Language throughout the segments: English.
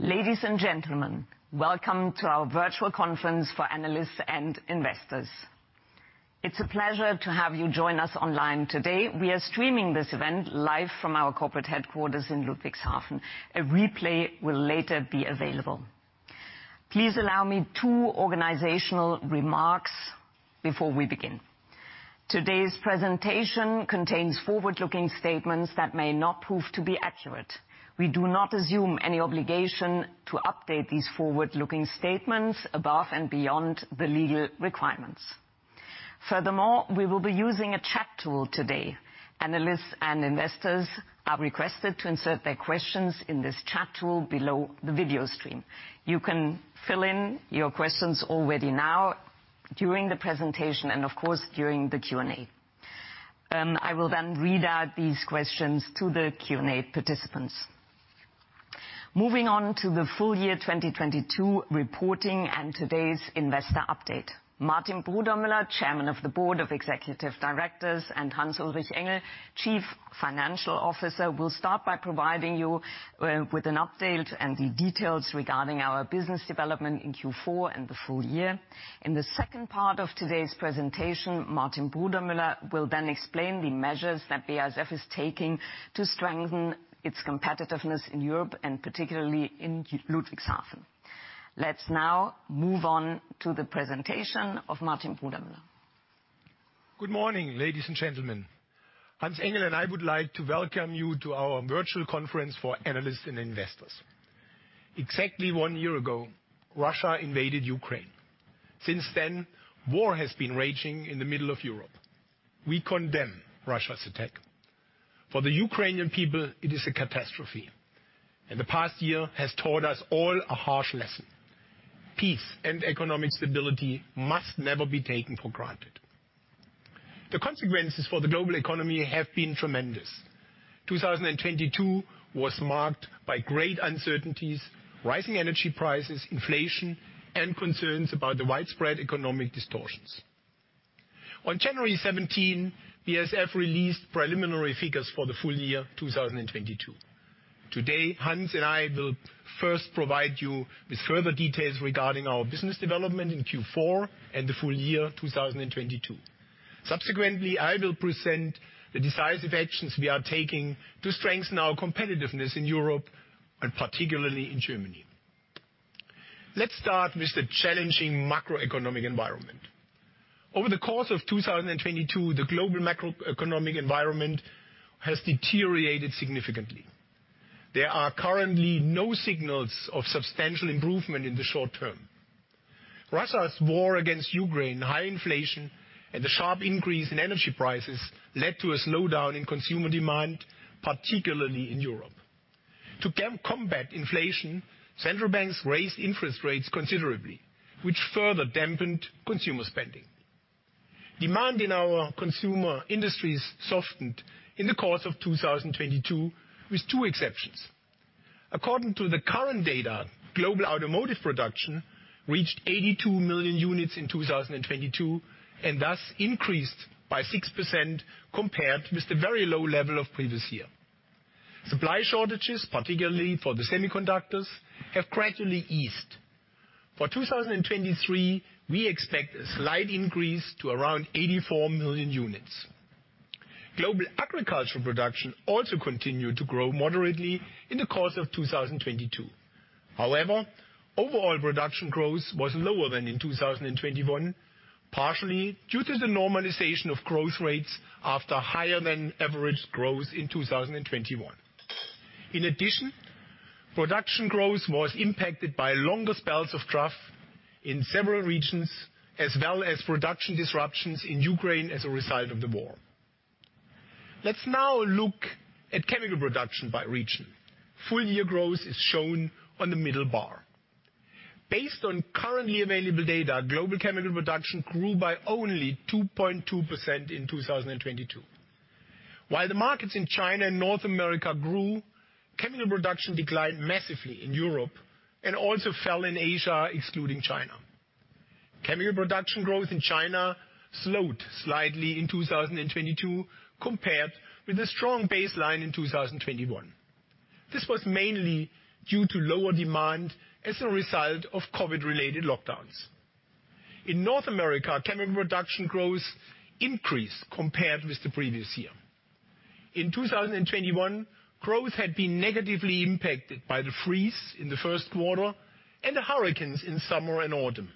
Ladies and gentlemen, welcome to our virtual conference for analysts and investors. It's a pleasure to have you join us online today. We are streaming this event live from our corporate headquarters in Ludwigshafen. A replay will later be available. Please allow me two organizational remarks before we begin. Today's presentation contains forward-looking statements that may not prove to be accurate. We do not assume any obligation to update these forward-looking statements above and beyond the legal requirements. We will be using a chat tool today. Analysts and investors are requested to insert their questions in this chat tool below the video stream. You can fill in your questions already now during the presentation and of course, during the Q&A. I will read out these questions to the Q&A participants. Moving on to the full year 2022 reporting and today's investor update. Martin Brudermüller, Chairman of the Board of Executive Directors, and Hans-Ulrich Engel, Chief Financial Officer, will start by providing you with an update and the details regarding our business development in Q4 and the full year. In the second part of today's presentation, Martin Brudermüller will then explain the measures that BASF is taking to strengthen its competitiveness in Europe and particularly in Ludwigshafen. Let's now move on to the presentation of Martin Brudermüller. Good morning, ladies and gentlemen. Hans-Ulrich Engel and I would like to welcome you to our virtual conference for analysts and investors. Exactly one year ago, Russia invaded Ukraine. Since then, war has been raging in the middle of Europe. We condemn Russia's attack. For the Ukrainian people, it is a catastrophe. The past year has taught us all a harsh lesson. Peace and economic stability must never be taken for granted. The consequences for the global economy have been tremendous. 2022 was marked by great uncertainties, rising energy prices, inflation, and concerns about the widespread economic distortions. On January 17, BASF released preliminary figures for the full year 2022. Today, Hans and I will first provide you with further details regarding our business development in Q4 and the full year 2022. Subsequently, I will present the decisive actions we are taking to strengthen our competitiveness in Europe and particularly in Germany. Let's start with the challenging macroeconomic environment. Over the course of 2022, the global macroeconomic environment has deteriorated significantly. There are currently no signals of substantial improvement in the short term. Russia's war against Ukraine, high inflation, and the sharp increase in energy prices led to a slowdown in consumer demand, particularly in Europe. To combat inflation, central banks raised interest rates considerably, which further dampened consumer spending. Demand in our consumer industries softened in the course of 2022, with two exceptions. According to the current data, global automotive production reached 82 million units in 2022 and thus increased by 6% compared with the very low level of previous year. Supply shortages, particularly for the semiconductors, have gradually eased. For 2023, we expect a slight increase to around 84 million units. Global agricultural production also continued to grow moderately in the course of 2022. Overall production growth was lower than in 2021, partially due to the normalization of growth rates after higher than average growth in 2021. Production growth was impacted by longer spells of drought in several regions, as well as production disruptions in Ukraine as a result of the war. Let's now look at chemical production by region. Full year growth is shown on the middle bar. Based on currently available data, global chemical production grew by only 2.2% in 2022. While the markets in China and North America grew, chemical production declined massively in Europe and also fell in Asia, excluding China. Chemical production growth in China slowed slightly in 2022 compared with a strong baseline in 2021. This was mainly due to lower demand as a result of COVID-related lockdowns. In North America, chemical production growth increased compared with the previous year. In 2021, growth had been negatively impacted by the freeze in the Q1 and the hurricanes in summer and autumn.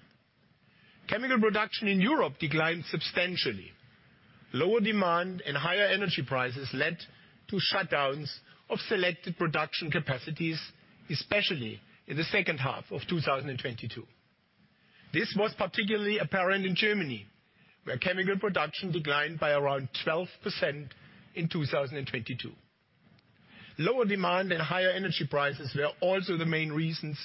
Chemical production in Europe declined substantially. Lower demand and higher energy prices led to shutdowns of selected production capacities, especially in the H2 of 2022. This was particularly apparent in Germany, where chemical production declined by around 12% in 2022. Lower demand and higher energy prices were also the main reasons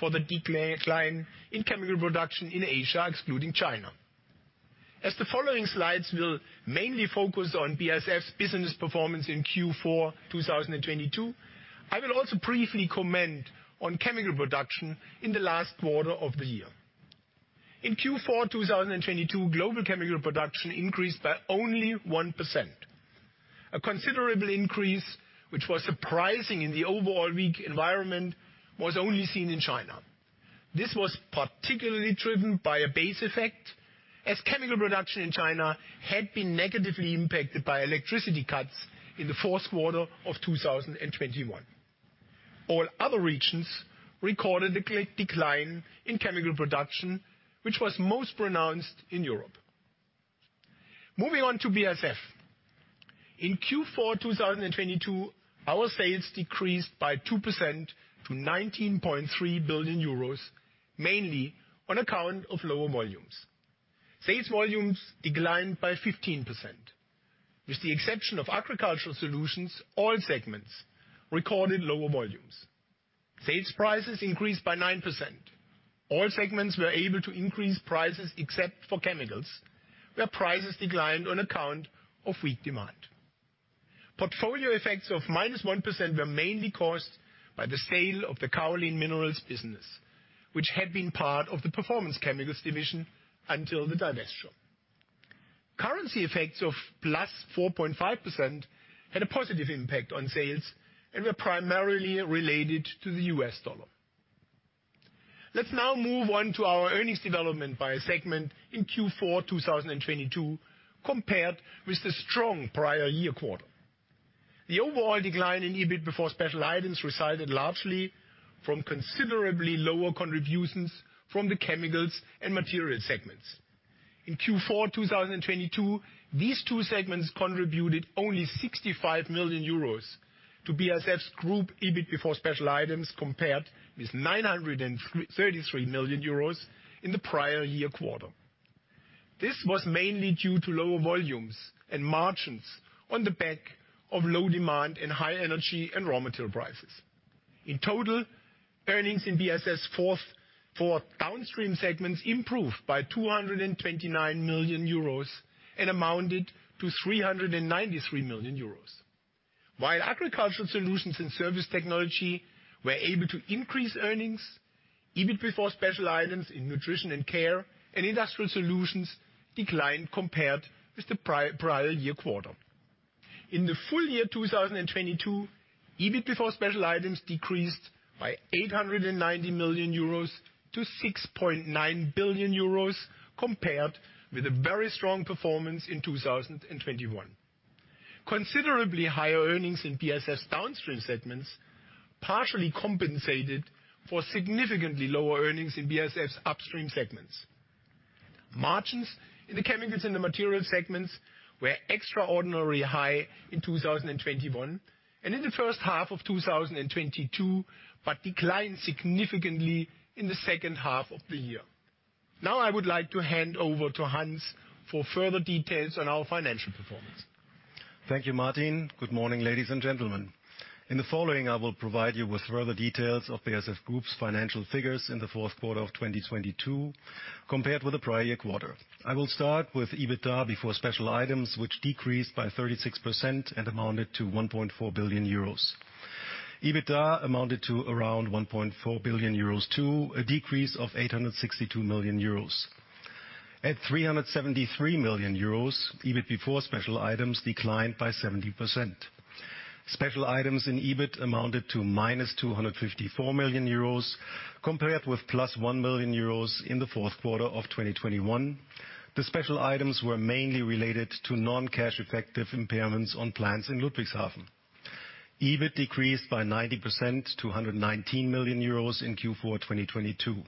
for the decline in chemical production in Asia, excluding China. As the following slides will mainly focus on BASF's business performance in Q4 2022, I will also briefly comment on chemical production in the last quarter of the year. In Q4 2022, global chemical production increased by only 1%. A considerable increase, which was surprising in the overall weak environment, was only seen in China. This was particularly driven by a base effect, as chemical production in China had been negatively impacted by electricity cuts in the fourth quarter of 2021. All other regions recorded a decline in chemical production, which was most pronounced in Europe. Moving on to BASF. In Q4 2022, our sales decreased by 2% to 19.3 billion euros, mainly on account of lower volumes. Sales volumes declined by 15%. With the exception of Agricultural Solutions, all segments recorded lower volumes. Sales prices increased by 9%. All segments were able to increase prices except for Chemicals, where prices declined on account of weak demand. Portfolio effects of -1% were mainly caused by the sale of the kaolin minerals business, which had been part of the Performance Chemicals division until the divestiture. Currency effects of +4.5% had a positive impact on sales, were primarily related to the US dollar. Let's now move on to our earnings development by segment in Q4 2022, compared with the strong prior year quarter. The overall decline in EBIT before special items resulted largely from considerably lower contributions from the Chemicals and Materials segments. In Q4 2022, these two segments contributed only 65 million euros to BASF's group EBIT before special items, compared with 933 million euros in the prior year quarter. This was mainly due to lower volumes and margins on the back of low demand and high energy and raw material prices. In total, earnings in BASF's fourth quarter downstream segments improved by 229 million euros and amounted to 393 million euros. While Agricultural Solutions and Surface Technology were able to increase earnings, EBIT before special items in Nutrition and Care and Industrial Solutions declined compared with the prior year quarter. In the full year 2022, EBIT before special items decreased by 890 million euros to 6.9 billion euros, compared with a very strong performance in 2021. Considerably higher earnings in BASF's downstream segments partially compensated for significantly lower earnings in BASF's upstream segments. Margins in the chemicals and the materials segments were extraordinarily high in 2021 and in the H1 of 2022, but declined significantly in the H2 of the year. Now I would like to hand over to Hans for further details on our financial performance. Thank you, Martin. Good morning, ladies and gentlemen. In the following, I will provide you with further details of BASF Group's financial figures in the fourth quarter of 2022 compared with the prior year quarter. I will start with EBITDA before special items, which decreased by 36% and amounted to 1.4 billion euros. EBITDA amounted to around 1.4 billion euros too, a decrease of 862 million euros. At 373 million euros, EBIT before special items declined by 70%. Special items in EBIT amounted to -254 million euros compared with +1 million euros in the fourth quarter of 2021. The special items were mainly related to non-cash effective impairments on plants in Ludwigshafen. EBIT decreased by 90% to 119 million euros in Q4 2022.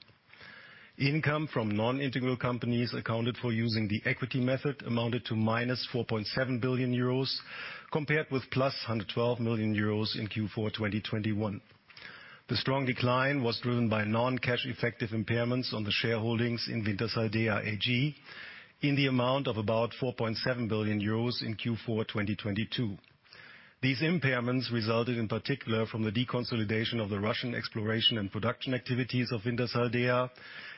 Income from non-integral companies accounted for using the equity method amounted to -4.7 billion euros compared with +112 million euros in Q4 2021. The strong decline was driven by non-cash effective impairments on the shareholdings in Wintershall Dea AG in the amount of about 4.7 billion euros in Q4 2022. These impairments resulted in particular from the deconsolidation of the Russian exploration and production activities of Wintershall Dea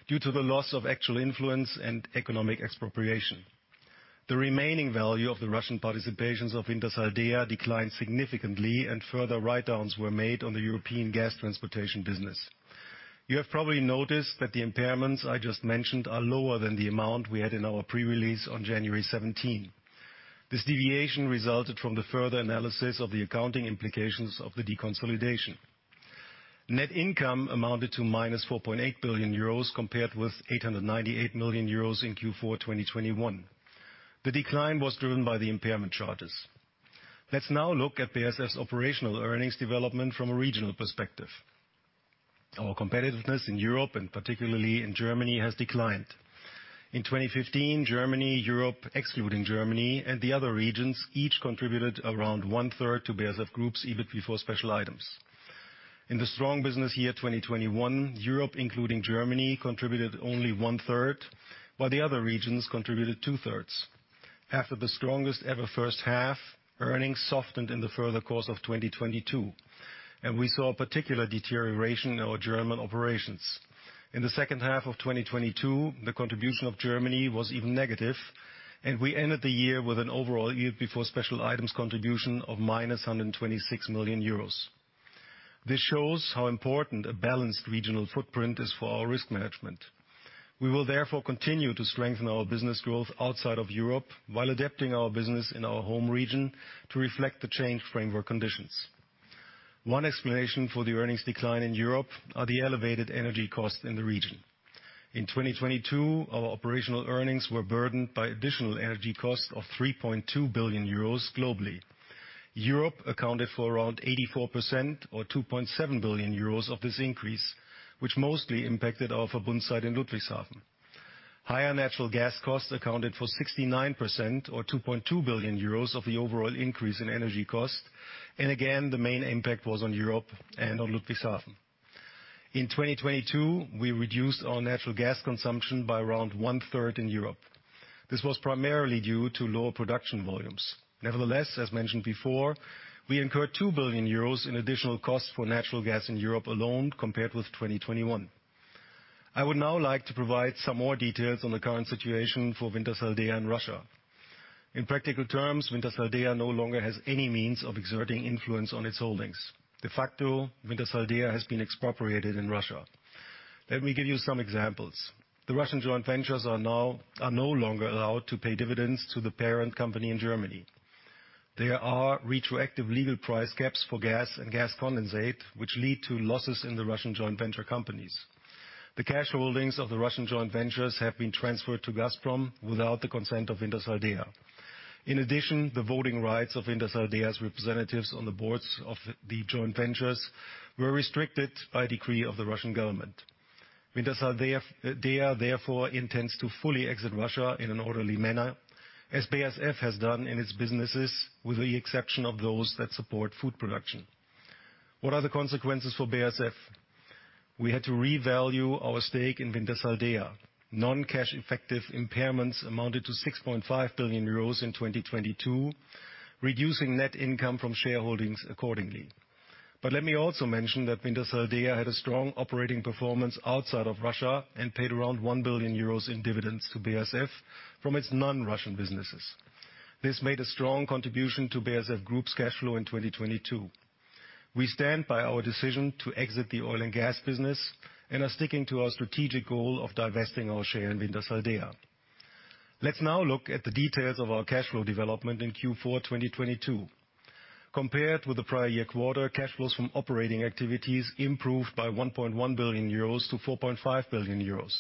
due to the loss of actual influence and economic expropriation. The remaining value of the Russian participations of Wintershall Dea declined significantly and further write-downs were made on the European gas transportation business. You have probably noticed that the impairments I just mentioned are lower than the amount we had in our pre-release on January 17. This deviation resulted from the further analysis of the accounting implications of the deconsolidation. Net income amounted to -4.8 billion euros compared with 898 million euros in Q4 2021. The decline was driven by the impairment charges. Let's now look at BASF's operational earnings development from a regional perspective. Our competitiveness in Europe, and particularly in Germany, has declined. In 2015, Germany, Europe excluding Germany, and the other regions each contributed around one-third to BASF Group's EBIT before special items. In the strong business year 2021, Europe, including Germany, contributed only one-third, while the other regions contributed two-thirds. After the strongest-ever H1, earnings softened in the further course of 2022, and we saw a particular deterioration in our German operations. In the H2 of 2022, the contribution of Germany was even negative, and we ended the year with an overall EBIT before special items contribution of minus 126 million euros. This shows how important a balanced regional footprint is for our risk management. We will therefore continue to strengthen our business growth outside of Europe while adapting our business in our home region to reflect the changed framework conditions. One explanation for the earnings decline in Europe are the elevated energy costs in the region. In 2022, our operational earnings were burdened by additional energy costs of 3.2 billion euros globally. Europe accounted for around 84% or 2.7 billion euros of this increase, which mostly impacted our Verbund site in Ludwigshafen. Higher natural gas costs accounted for 69% or 2.2 billion euros of the overall increase in energy costs. Again, the main impact was on Europe and on Ludwigshafen. In 2022, we reduced our natural gas consumption by around one-third in Europe. This was primarily due to lower production volumes. Nevertheless, as mentioned before, we incurred 2 billion euros in additional costs for natural gas in Europe alone compared with 2021. I would now like to provide some more details on the current situation for Wintershall Dea in Russia. In practical terms, Wintershall Dea no longer has any means of exerting influence on its holdings. De facto, Wintershall Dea has been expropriated in Russia. Let me give you some examples. The Russian joint ventures are no longer allowed to pay dividends to the parent company in Germany. There are retroactive legal price caps for gas and gas condensate, which lead to losses in the Russian joint venture companies. The cash holdings of the Russian joint ventures have been transferred to Gazprom without the consent of Wintershall Dea. In addition, the voting rights of Wintershall Dea's representatives on the boards of the joint ventures were restricted by decree of the Russian government. Wintershall Dea, therefore, intends to fully exit Russia in an orderly manner, as BASF has done in its businesses, with the exception of those that support food production. What are the consequences for BASF? We had to revalue our stake in Wintershall Dea. Non-cash effective impairments amounted to 6.5 billion euros in 2022, reducing net income from shareholdings accordingly. Let me also mention that Wintershall Dea had a strong operating performance outside of Russia and paid around 1 billion euros in dividends to BASF from its non-Russian businesses. This made a strong contribution to BASF Group's cash flow in 2022. We stand by our decision to exit the oil and gas business and are sticking to our strategic goal of divesting our share in Wintershall Dea. Let's now look at the details of our cash flow development in Q4 2022. Compared with the prior year quarter, cash flows from operating activities improved by 1.1 billion euros to 4.5 billion euros.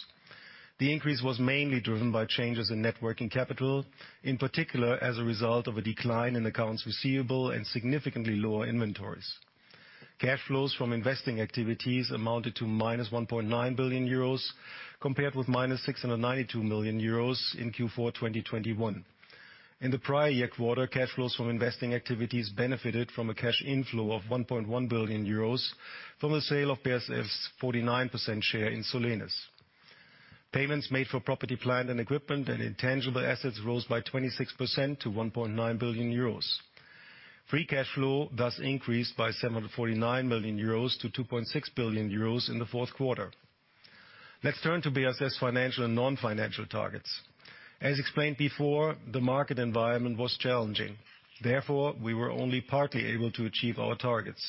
The increase was mainly driven by changes in net working capital, in particular as a result of a decline in accounts receivable and significantly lower inventories. Cash flows from investing activities amounted to minus 1.9 billion euros, compared with minus 692 million euros in Q4 2021. In the prior year quarter, cash flows from investing activities benefited from a cash inflow of 1.1 billion euros from the sale of BASF's 49% share in Solenis. Payments made for property, plant, and equipment and intangible assets rose by 26% to 1.9 billion euros. Free cash flow thus increased by 749 million euros to 2.6 billion euros in the fourth quarter. Let's turn to BASF's financial and non-financial targets. As explained before, the market environment was challenging. Therefore, we were only partly able to achieve our targets.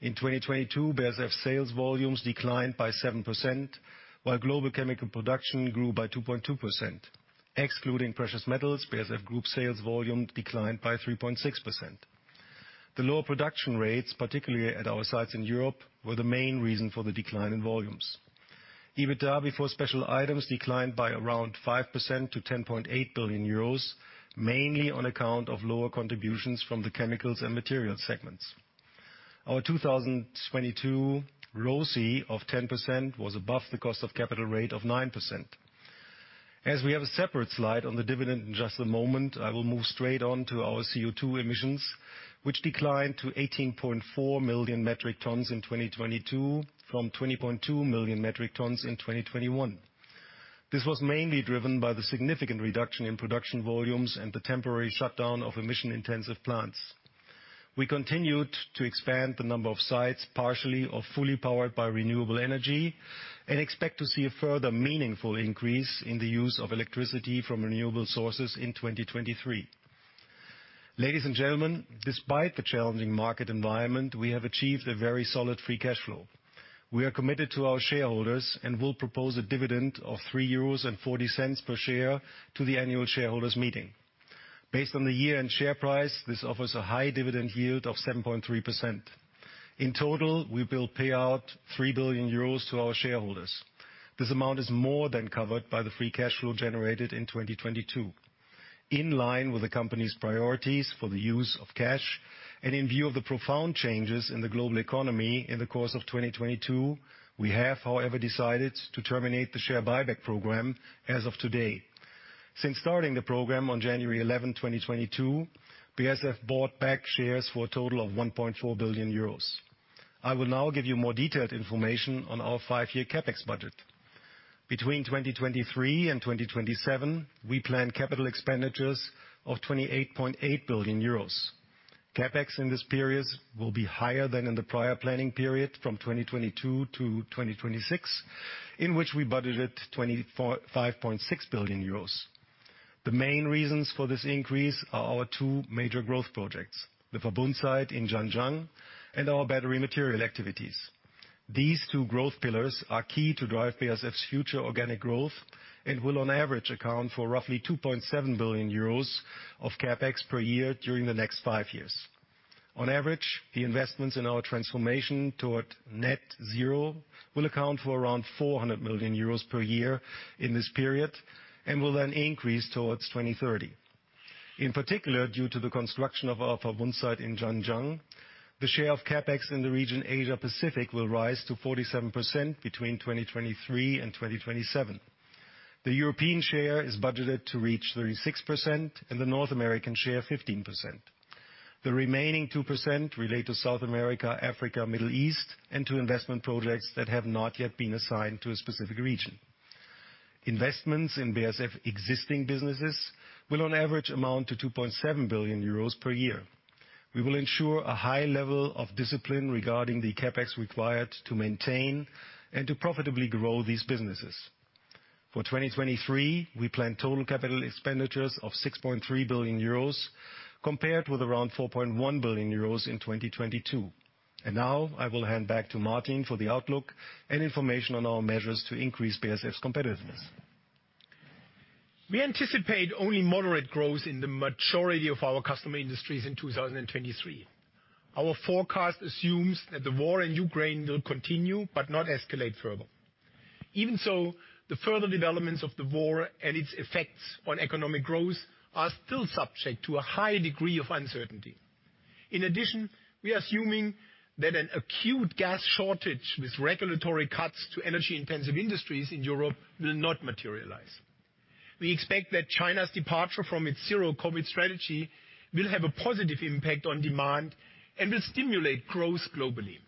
In 2022, BASF sales volumes declined by 7%, while global chemical production grew by 2.2%. Excluding precious metals, BASF Group sales volume declined by 3.6%. The lower production rates, particularly at our sites in Europe, were the main reason for the decline in volumes. EBITDA before special items declined by around 5% to 10.8 billion euros, mainly on account of lower contributions from the chemicals and materials segments. Our 2022 ROCE of 10% was above the cost of capital rate of 9%. As we have a separate slide on the dividend in just a moment, I will move straight on to our CO2 emissions, which declined to 18.4 million metric tons in 2022 from 20.2 million metric tons in 2021. This was mainly driven by the significant reduction in production volumes and the temporary shutdown of emission-intensive plants. We continued to expand the number of sites partially or fully powered by renewable energy expect to see a further meaningful increase in the use of electricity from renewable sources in 2023. Ladies and gentlemen, despite the challenging market environment, we have achieved a very solid free cash flow. We are committed to our shareholders will propose a dividend of 3.40 euros per share to the annual shareholders meeting. Based on the year-end share price, this offers a high dividend yield of 7.3%. In total, we will pay out 3 billion euros to our shareholders. This amount is more than covered by the free cash flow generated in 2022. In line with the company's priorities for the use of cash and in view of the profound changes in the global economy in the course of 2022, we have, however, decided to terminate the share buyback program as of today. Since starting the program on January 11th, 2022, BASF bought back shares for a total of 1.4 billion euros. I will now give you more detailed information on our five-year CapEx budget. Between 2023 and 2027, we plan capital expenditures of 28.8 billion euros. CapEx in this period will be higher than in the prior planning period from 2022 to 2026, in which we budgeted 5.6 billion euros. The main reasons for this increase are our two major growth projects, the Verbund site in Zhanjiang and our battery material activities. These two growth pillars are key to drive BASF's future organic growth and will on average account for roughly 2.7 billion euros of CapEx per year during the next five years. On average, the investments in our transformation toward net zero will account for around 400 million euros per year in this period and will then increase towards 2030. In particular, due to the construction of our Verbund site in Zhanjiang, the share of CapEx in the region Asia Pacific will rise to 47% between 2023 and 2027. The European share is budgeted to reach 36% and the North American share 15%. The remaining 2% relate to South America, Africa, Middle East, and to investment projects that have not yet been assigned to a specific region. Investments in BASF existing businesses will on average amount to 2.7 billion euros per year. We will ensure a high level of discipline regarding the CapEx required to maintain and to profitably grow these businesses. For 2023, we plan total capital expenditures of 6.3 billion euros compared with around 4.1 billion euros in 2022. Now I will hand back to Martin for the outlook and information on our measures to increase BASF's competitiveness. We anticipate only moderate growth in the majority of our customer industries in 2023. Our forecast assumes that the war in Ukraine will continue but not escalate further. The further developments of the war and its effects on economic growth are still subject to a high degree of uncertainty. We are assuming that an acute gas shortage with regulatory cuts to energy-intensive industries in Europe will not materialize. We expect that China's departure from its zero COVID strategy will have a positive impact on demand and will stimulate growth globally.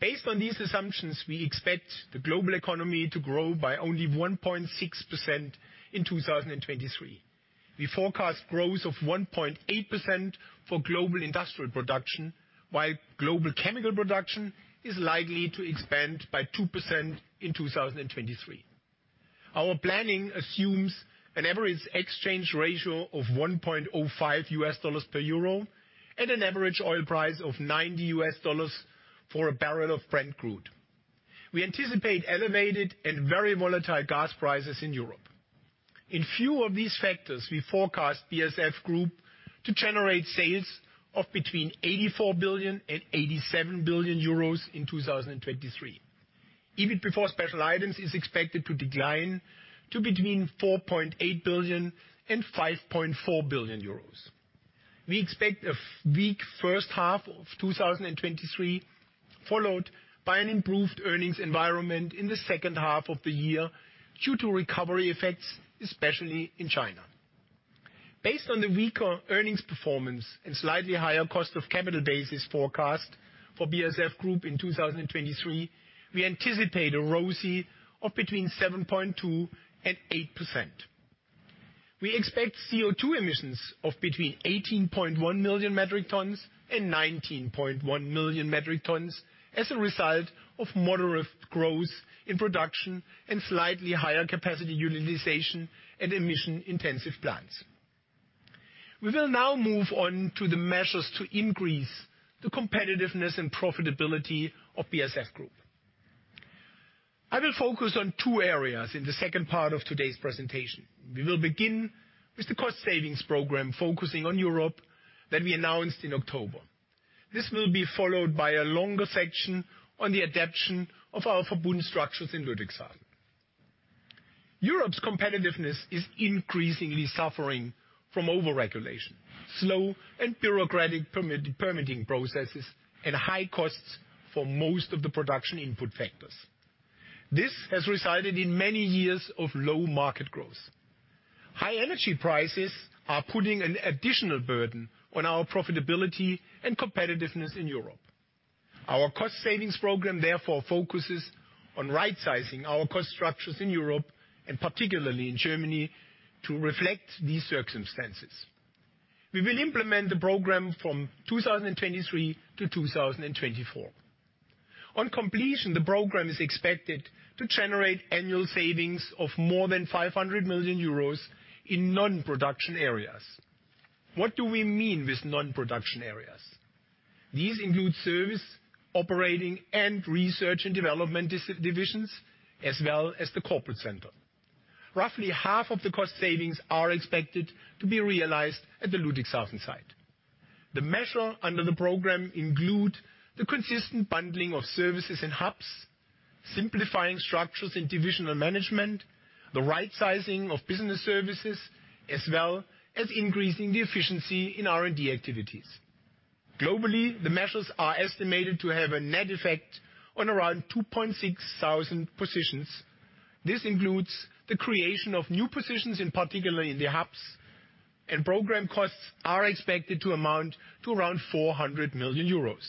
Based on these assumptions, we expect the global economy to grow by only 1.6% in 2023. We forecast growth of 1.8% for global industrial production, while global chemical production is likely to expand by 2% in 2023. Our planning assumes an average exchange ratio of $1.05 per EUR and an average oil price of $90 for a barrel of Brent crude. We anticipate elevated and very volatile gas prices in Europe. In few of these factors, we forecast BASF Group to generate sales of between 84 billion and 87 billion euros in 2023. EBIT before special items is expected to decline to between 4.8 billion and 5.4 billion euros. We expect a weak H1 of 2023, followed by an improved earnings environment in the H2 of the year due to recovery effects, especially in China. Based on the weaker earnings performance and slightly higher cost of capital BASF is forecast for BASF Group in 2023, we anticipate a ROCE of between 7.2% and 8%. We expect CO2 emissions of between 18.1 million metric tons and 19.1 million metric tons as a result of moderate growth in production and slightly higher capacity utilization at emission-intensive plants. We will now move on to the measures to increase the competitiveness and profitability of BASF Group. I will focus on two areas in the second part of today's presentation. We will begin with the cost savings program focusing on Europe that we announced in October. This will be followed by a longer section on the adaption of our Verbund structures in Ludwigshafen. Europe's competitiveness is increasingly suffering from over-regulation, slow and bureaucratic permitting processes, and high costs for most of the production input factors. This has resulted in many years of low market growth. High energy prices are putting an additional burden on our profitability and competitiveness in Europe. Our cost savings program focuses on rightsizing our cost structures in Europe, and particularly in Germany, to reflect these circumstances. We will implement the program from 2023 to 2024. On completion, the program is expected to generate annual savings of more than 500 million euros in non-production areas. What do we mean with non-production areas? These include service, operating, and research and development divisions, as well as the corporate center. Roughly half of the cost savings are expected to be realized at the Ludwigshafen site. The measure under the program include the consistent bundling of services and hubs, simplifying structures in divisional management, the rightsizing of Global Business Services, as well as increasing the efficiency in R&D activities. Globally, the measures are estimated to have a net effect on around 2.6 thousand positions. This includes the creation of new positions, in particular in the hubs, and program costs are expected to amount to around 400 million euros.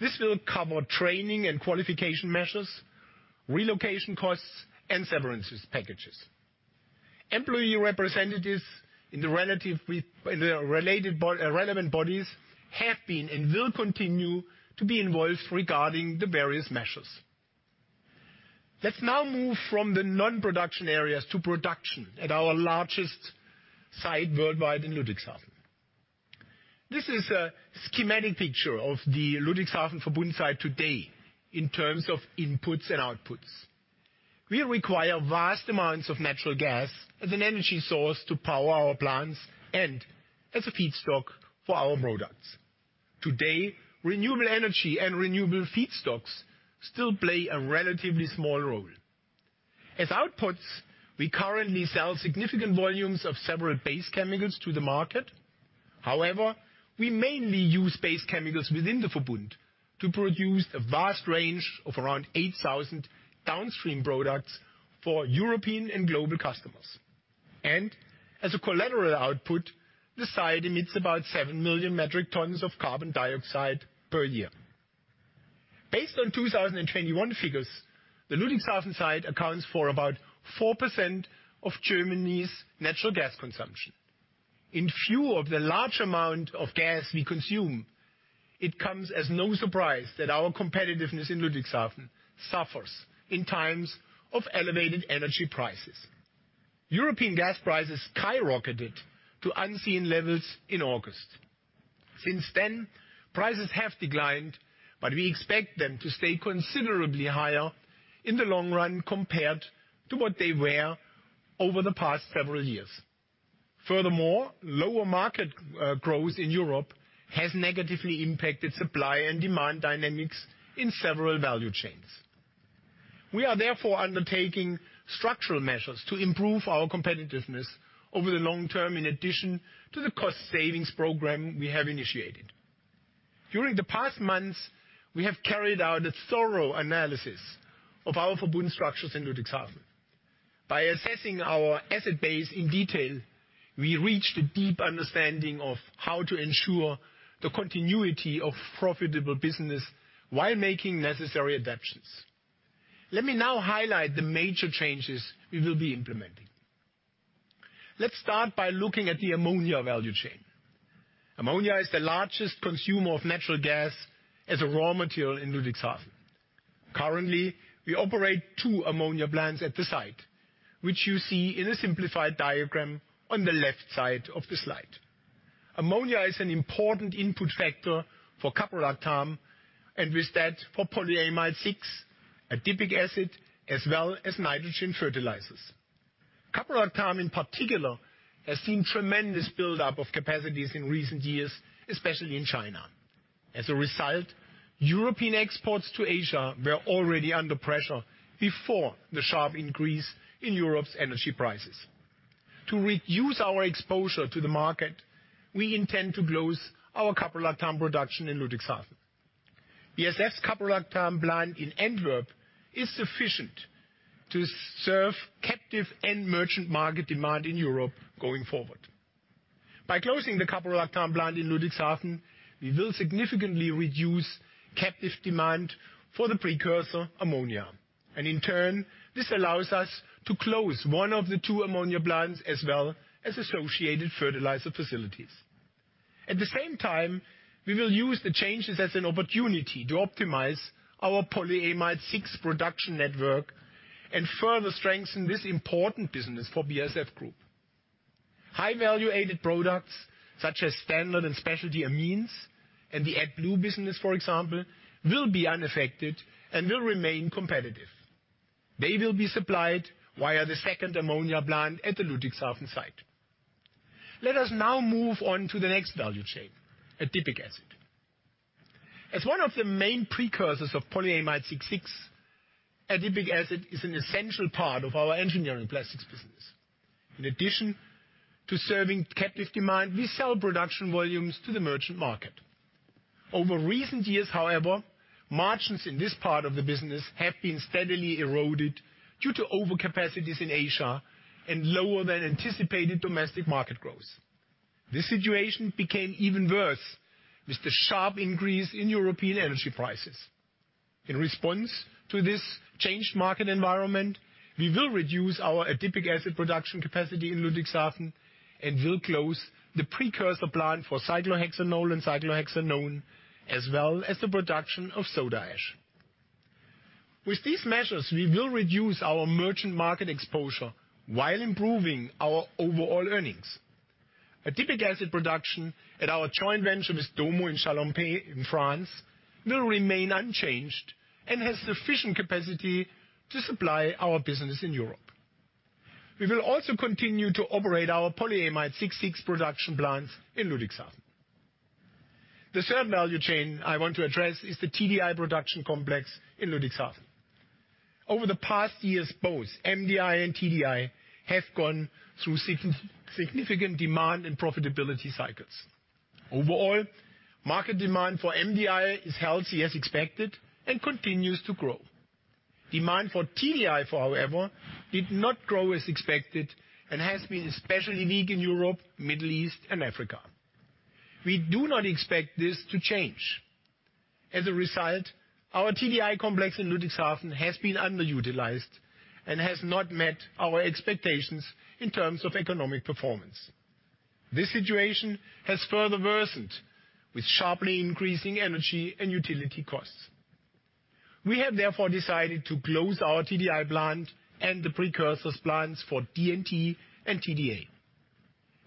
This will cover training and qualification measures, relocation costs, and severances packages. Employee representatives in the relevant bodies have been and will continue to be involved regarding the various measures. Let's now move from the non-production areas to production at our largest site worldwide in Ludwigshafen. This is a schematic picture of the Ludwigshafen Verbund site today in terms of inputs and outputs. We require vast amounts of natural gas as an energy source to power our plants and as a feedstock for our products. Today, renewable energy and renewable feedstocks still play a relatively small role. As outputs, we currently sell significant volumes of several base chemicals to the market. We mainly use base chemicals within the Verbund to produce a vast range of around 8,000 downstream products for European and global customers. As a collateral output, the site emits about 7 million metric tons of carbon dioxide per year. Based on 2021 figures, the Ludwigshafen site accounts for about 4% of Germany's natural gas consumption. In view of the large amount of gas we consume, it comes as no surprise that our competitiveness in Ludwigshafen suffers in times of elevated energy prices. European gas prices skyrocketed to unseen levels in August. Since then, prices have declined. We expect them to stay considerably higher in the long run compared to what they were over the past several years. Furthermore, lower market growth in Europe has negatively impacted supply and demand dynamics in several value chains. We are therefore undertaking structural measures to improve our competitiveness over the long term, in addition to the cost savings program we have initiated. During the past months, we have carried out a thorough analysis of our Verbund structures in Ludwigshafen. By assessing our asset base in detail, we reached a deep understanding of how to ensure the continuity of profitable business while making necessary adaptations. Let me now highlight the major changes we will be implementing. Let's start by looking at the ammonia value chain. Ammonia is the largest consumer of natural gas as a raw material in Ludwigshafen. Currently, we operate two ammonia plants at the site, which you see in a simplified diagram on the left side of the slide. Ammonia is an important input factor for caprolactam, and with that, for polyamide 6, adipic acid, as well as nitrogen fertilizers. Caprolactam, in particular, has seen tremendous buildup of capacities in recent years, especially in China. As a result, European exports to Asia were already under pressure before the sharp increase in Europe's energy prices. To reduce our exposure to the market, we intend to close our caprolactam production in Ludwigshafen. BASF caprolactam plant in Antwerp is sufficient to serve captive and merchant market demand in Europe going forward. By closing the caprolactam plant in Ludwigshafen, we will significantly reduce captive demand for the precursor ammonia. In turn, this allows us to close one of the two ammonia plants as well as associated fertilizer facilities. At the same time, we will use the changes as an opportunity to optimize our polyamide 6 production network and further strengthen this important business for BASF Group. High value added products such as standard and specialty amines and the AdBlue business, for example, will be unaffected and will remain competitive. They will be supplied via the second ammonia plant at the Ludwigshafen site. Let us now move on to the next value chain, adipic acid. As one of the main precursors of polyamide 6.6, adipic acid is an essential part of our engineering plastics business. In addition to serving captive demand, we sell production volumes to the merchant market. Over recent years, however, margins in this part of the business have been steadily eroded due to overcapacities in Asia and lower than anticipated domestic market growth. This situation became even worse with the sharp increase in European energy prices. In response to this changed market environment, we will reduce our adipic acid production capacity in Ludwigshafen and will close the precursor plant for cyclohexanol and cyclohexanone, as well as the production of soda ash. With these measures, we will reduce our merchant market exposure while improving our overall earnings. Adipic acid production at our joint venture with DOMO in Chalampé in France will remain unchanged and has sufficient capacity to supply our business in Europe. We will also continue to operate our polyamide 6.6 production plants in Ludwigshafen. The third value chain I want to address is the TDI production complex in Ludwigshafen. Over the past years, both MDI and TDI have gone through significant demand and profitability cycles. Overall, market demand for MDI is healthy as expected and continues to grow. Demand for TDI, however, did not grow as expected and has been especially weak in Europe, Middle East, and Africa. We do not expect this to change. As a result, our TDI complex in Ludwigshafen has been underutilized and has not met our expectations in terms of economic performance. This situation has further worsened with sharply increasing energy and utility costs. We have therefore decided to close our TDI plant and the precursors plants for DNT and TDA.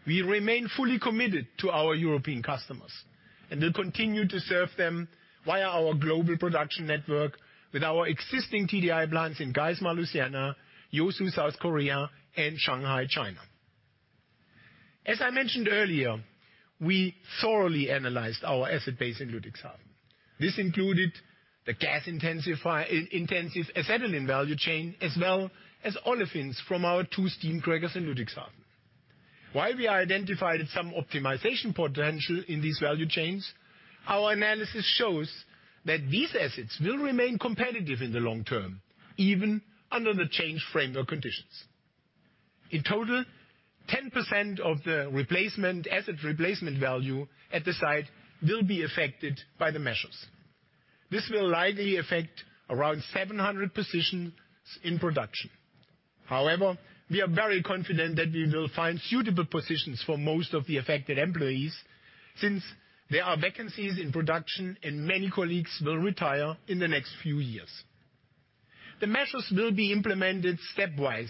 We remain fully committed to our European customers, and will continue to serve them via our global production network with our existing TDI plants in Geismar, Louisiana, Yeosu, South Korea, and Shanghai, China. As I mentioned earlier, we thoroughly analyzed our asset base in Ludwigshafen. This included the gas intensive acetylene value chain, as well as olefins from our two steam crackers in Ludwigshafen. While we identified some optimization potential in these value chains, our analysis shows that these assets will remain competitive in the long term, even under the changed framework conditions. In total, 10% of the asset replacement value at the site will be affected by the measures. This will likely affect around 700 positions in production. However, we are very confident that we will find suitable positions for most of the affected employees since there are vacancies in production and many colleagues will retire in the next few years. The measures will be implemented stepwise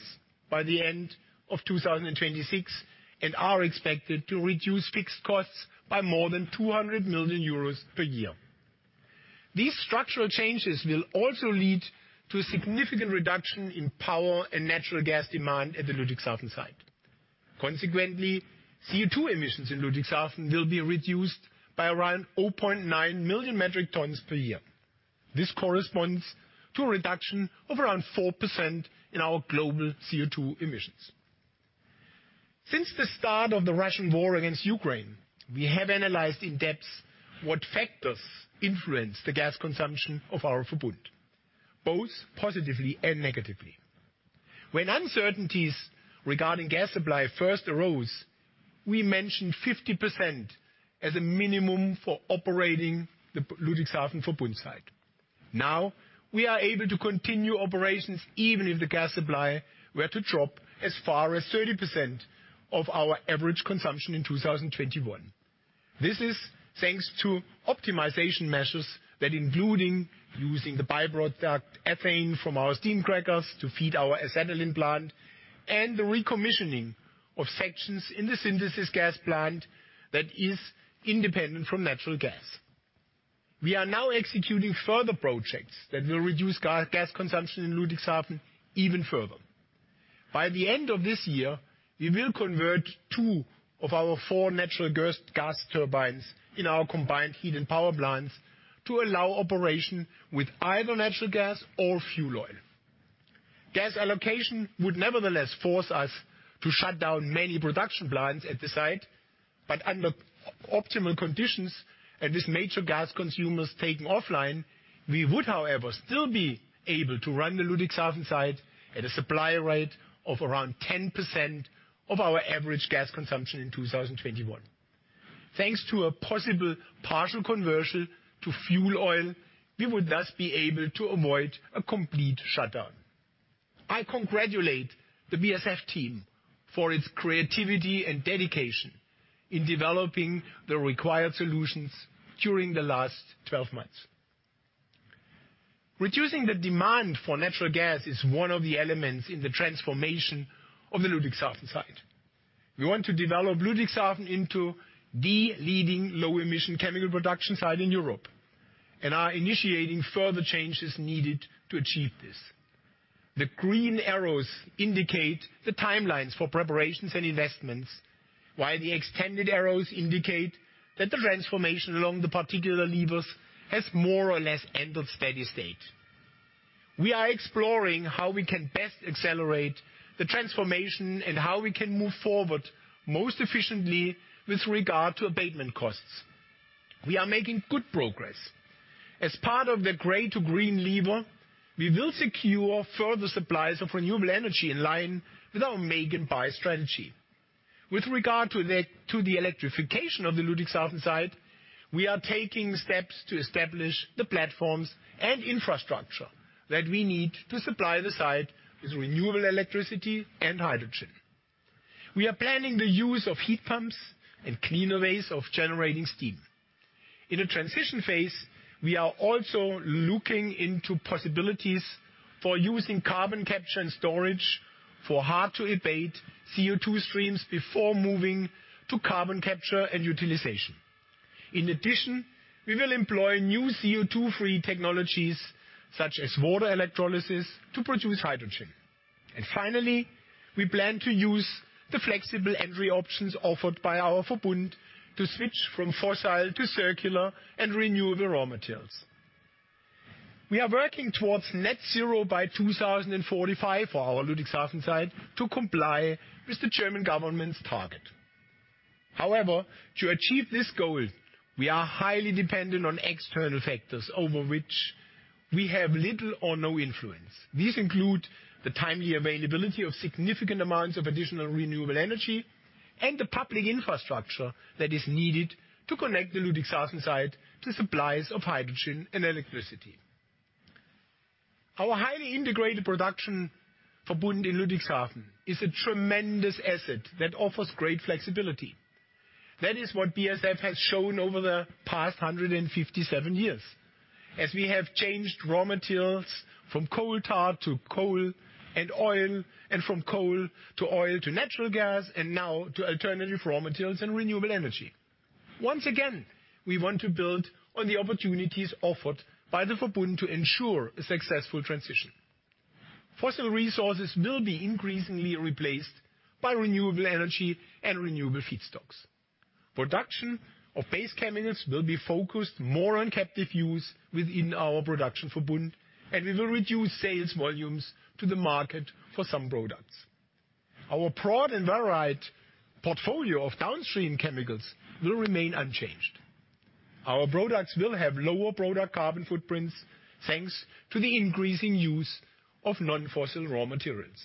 by the end of 2026, and are expected to reduce fixed costs by more than 200 million euros per year. These structural changes will also lead to a significant reduction in power and natural gas demand at the Ludwigshafen site. Consequently, CO2 emissions in Ludwigshafen will be reduced by around 0.9 million metric tons per year. This corresponds to a reduction of around 4% in our global CO2 emissions. Since the start of the Russian war against Ukraine, we have analyzed in depth what factors influence the gas consumption of our Verbund, both positively and negatively. When uncertainties regarding gas supply first arose, we mentioned 50% as a minimum for operating the Ludwigshafen Verbund site. Now, we are able to continue operations even if the gas supply were to drop as far as 30% of our average consumption in 2021. This is thanks to optimization measures that including using the by-product ethane from our steam crackers to feed our acetylene plant, and the recommissioning of sections in the synthesis gas plant that is independent from natural gas. We are now executing further projects that will reduce gas consumption in Ludwigshafen even further. By the end of this year, we will convert two of our four natural gas turbines in our combined heat and power plants to allow operation with either natural gas or fuel oil. Gas allocation would nevertheless force us to shut down many production plants at the site, but under optimal conditions and with major gas consumers taken offline, we would, however, still be able to run the Ludwigshafen site at a supply rate of around 10% of our average gas consumption in 2021. Thanks to a possible partial conversion to fuel oil, we would thus be able to avoid a complete shutdown. I congratulate the BASF team for its creativity and dedication in developing the required solutions during the last 12 months. Reducing the demand for natural gas is one of the elements in the transformation of the Ludwigshafen site. We want to develop Ludwigshafen into the leading low emission chemical production site in Europe, and are initiating further changes needed to achieve this. The green arrows indicate the timelines for preparations and investments, while the extended arrows indicate that the transformation along the particular levers has more or less entered steady state. We are exploring how we can best accelerate the transformation and how we can move forward most efficiently with regard to abatement costs. We are making good progress. As part of the gray to green lever, we will secure further supplies of renewable energy in line with our make and buy strategy. With regard to the electrification of the Ludwigshafen site, we are taking steps to establish the platforms and infrastructure that we need to supply the site with renewable electricity and hydrogen. We are planning the use of heat pumps and cleaner ways of generating steam. In a transition phase, we are also looking into possibilities for using carbon capture and storage for hard to abate CO2 streams before moving to carbon capture and utilization. In addition, we will employ new CO2-free technologies such as water electrolysis to produce hydrogen. Finally, we plan to use the flexible entry options offered by our Verbund to switch from fossil to circular and renewable raw materials. We are working towards net zero by 2045 for our Ludwigshafen site to comply with the German government's target. However, to achieve this goal, we are highly dependent on external factors over which we have little or no influence. These include the timely availability of significant amounts of additional renewable energy and the public infrastructure that is needed to connect the Ludwigshafen site to supplies of hydrogen and electricity. Our highly integrated production Verbund in Ludwigshafen is a tremendous asset that offers great flexibility. That is what BASF has shown over the past 157 years as we have changed raw materials from coal tar to coal and oil, and from coal to oil to natural gas, and now to alternative raw materials and renewable energy. Once again, we want to build on the opportunities offered by the Verbund to ensure a successful transition. Fossil resources will be increasingly replaced by renewable energy and renewable feedstocks. Production of base chemicals will be focused more on captive use within our production Verbund. It will reduce sales volumes to the market for some products. Our broad and varied portfolio of downstream chemicals will remain unchanged. Our products will have lower product carbon footprints, thanks to the increasing use of non-fossil raw materials.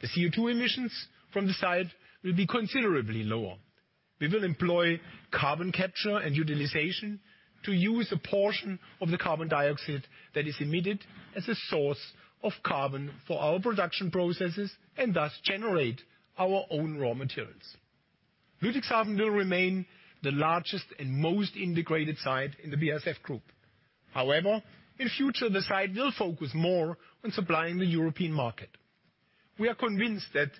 The CO2 emissions from the site will be considerably lower. We will employ carbon capture and utilization to use a portion of the carbon dioxide that is emitted as a source of carbon for our production processes and thus generate our own raw materials. Ludwigshafen will remain the largest and most integrated site in the BASF Group. However, in future, the site will focus more on supplying the European market. We are convinced that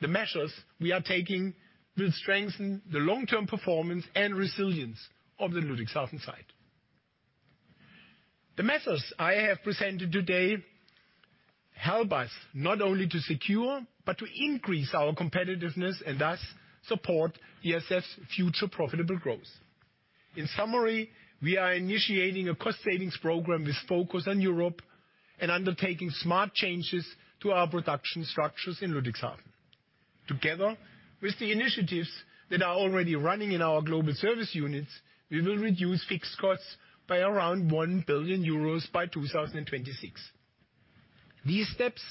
the measures we are taking will strengthen the long-term performance and resilience of the Ludwigshafen site. The measures I have presented today help us not only to secure, but to increase our competitiveness and thus support BASF's future profitable growth. In summary, we are initiating a cost savings program with focus on Europe and undertaking smart changes to our production structures in Ludwigshafen. Together with the initiatives that are already running in our global service units, we will reduce fixed costs by around 1 billion euros by 2026. These steps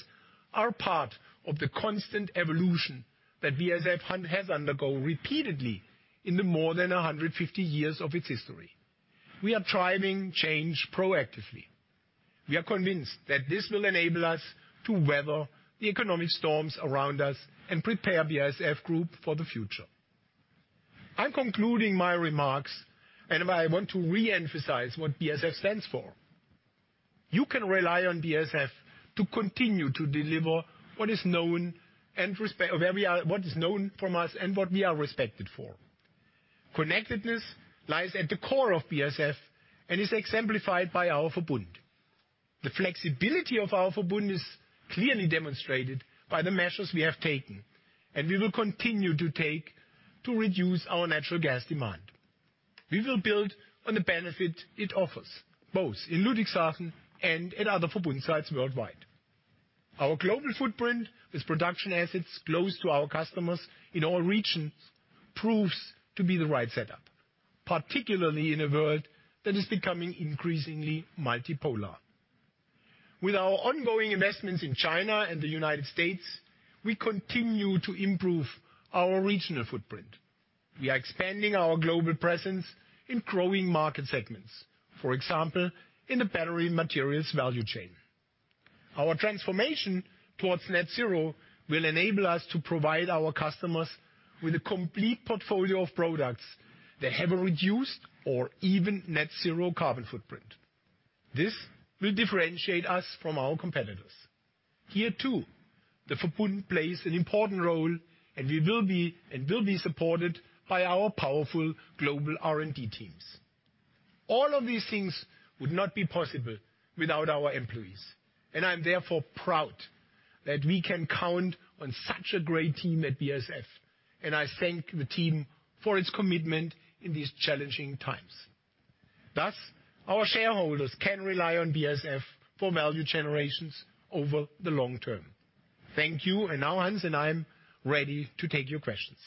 are part of the constant evolution that BASF has undergo repeatedly in the more than 150 years of its history. We are driving change proactively. We are convinced that this will enable us to weather the economic storms around us and prepare BASF Group for the future. I'm concluding my remarks. I want to re-emphasize what BASF stands for. You can rely on BASF to continue to deliver what is known from us and what we are respected for. Connectedness lies at the core of BASF and is exemplified by our Verbund. The flexibility of our Verbund is clearly demonstrated by the measures we have taken, and we will continue to take to reduce our natural gas demand. We will build on the benefit it offers, both in Ludwigshafen and at other Verbund sites worldwide. Our global footprint with production assets close to our customers in all regions proves to be the right setup, particularly in a world that is becoming increasingly multipolar. With our ongoing investments in China and the United States, we continue to improve our regional footprint. We are expanding our global presence in growing market segments, for example, in the battery materials value chain. Our transformation towards net zero will enable us to provide our customers with a complete portfolio of products that have a reduced or even net zero carbon footprint. This will differentiate us from our competitors. Here, too, the Verbund plays an important role, and we will be supported by our powerful global R&D teams. All of these things would not be possible without our employees. I'm therefore proud that we can count on such a great team at BASF. I thank the team for its commitment in these challenging times. Thus, our shareholders can rely on BASF for value generations over the long term. Thank you. Now, Hans and I am ready to take your questions.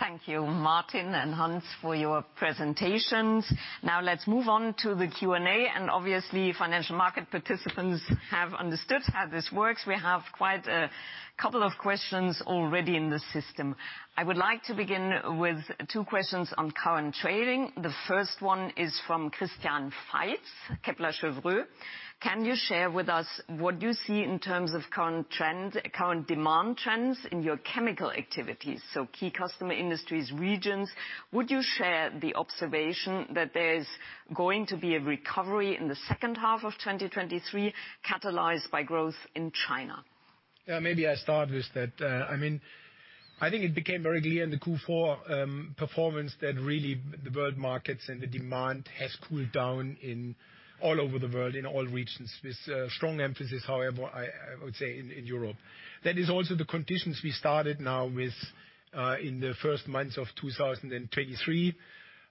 Thank you, Martin and Hans, for your presentations. Now let's move on to the Q&A. Obviously, financial market participants have understood how this works. We have quite a couple of questions already in the system. I would like to begin with 2 questions on current trading. The first one is from Christian Faitz, Kepler Cheuvreux. Can you share with us what you see in terms of current demand trends in your chemical activities? Key customer industries, regions. Would you share the observation that there's going to be a recovery in the H2 of 2023, catalyzed by growth in China? Yeah, I mean, I think it became very clear in the Q4 performance that really the world markets and the demand has cooled down in all over the world, in all regions. With a strong emphasis, however, I would say, in Europe. That is also the conditions we started now with in the first months of 2023.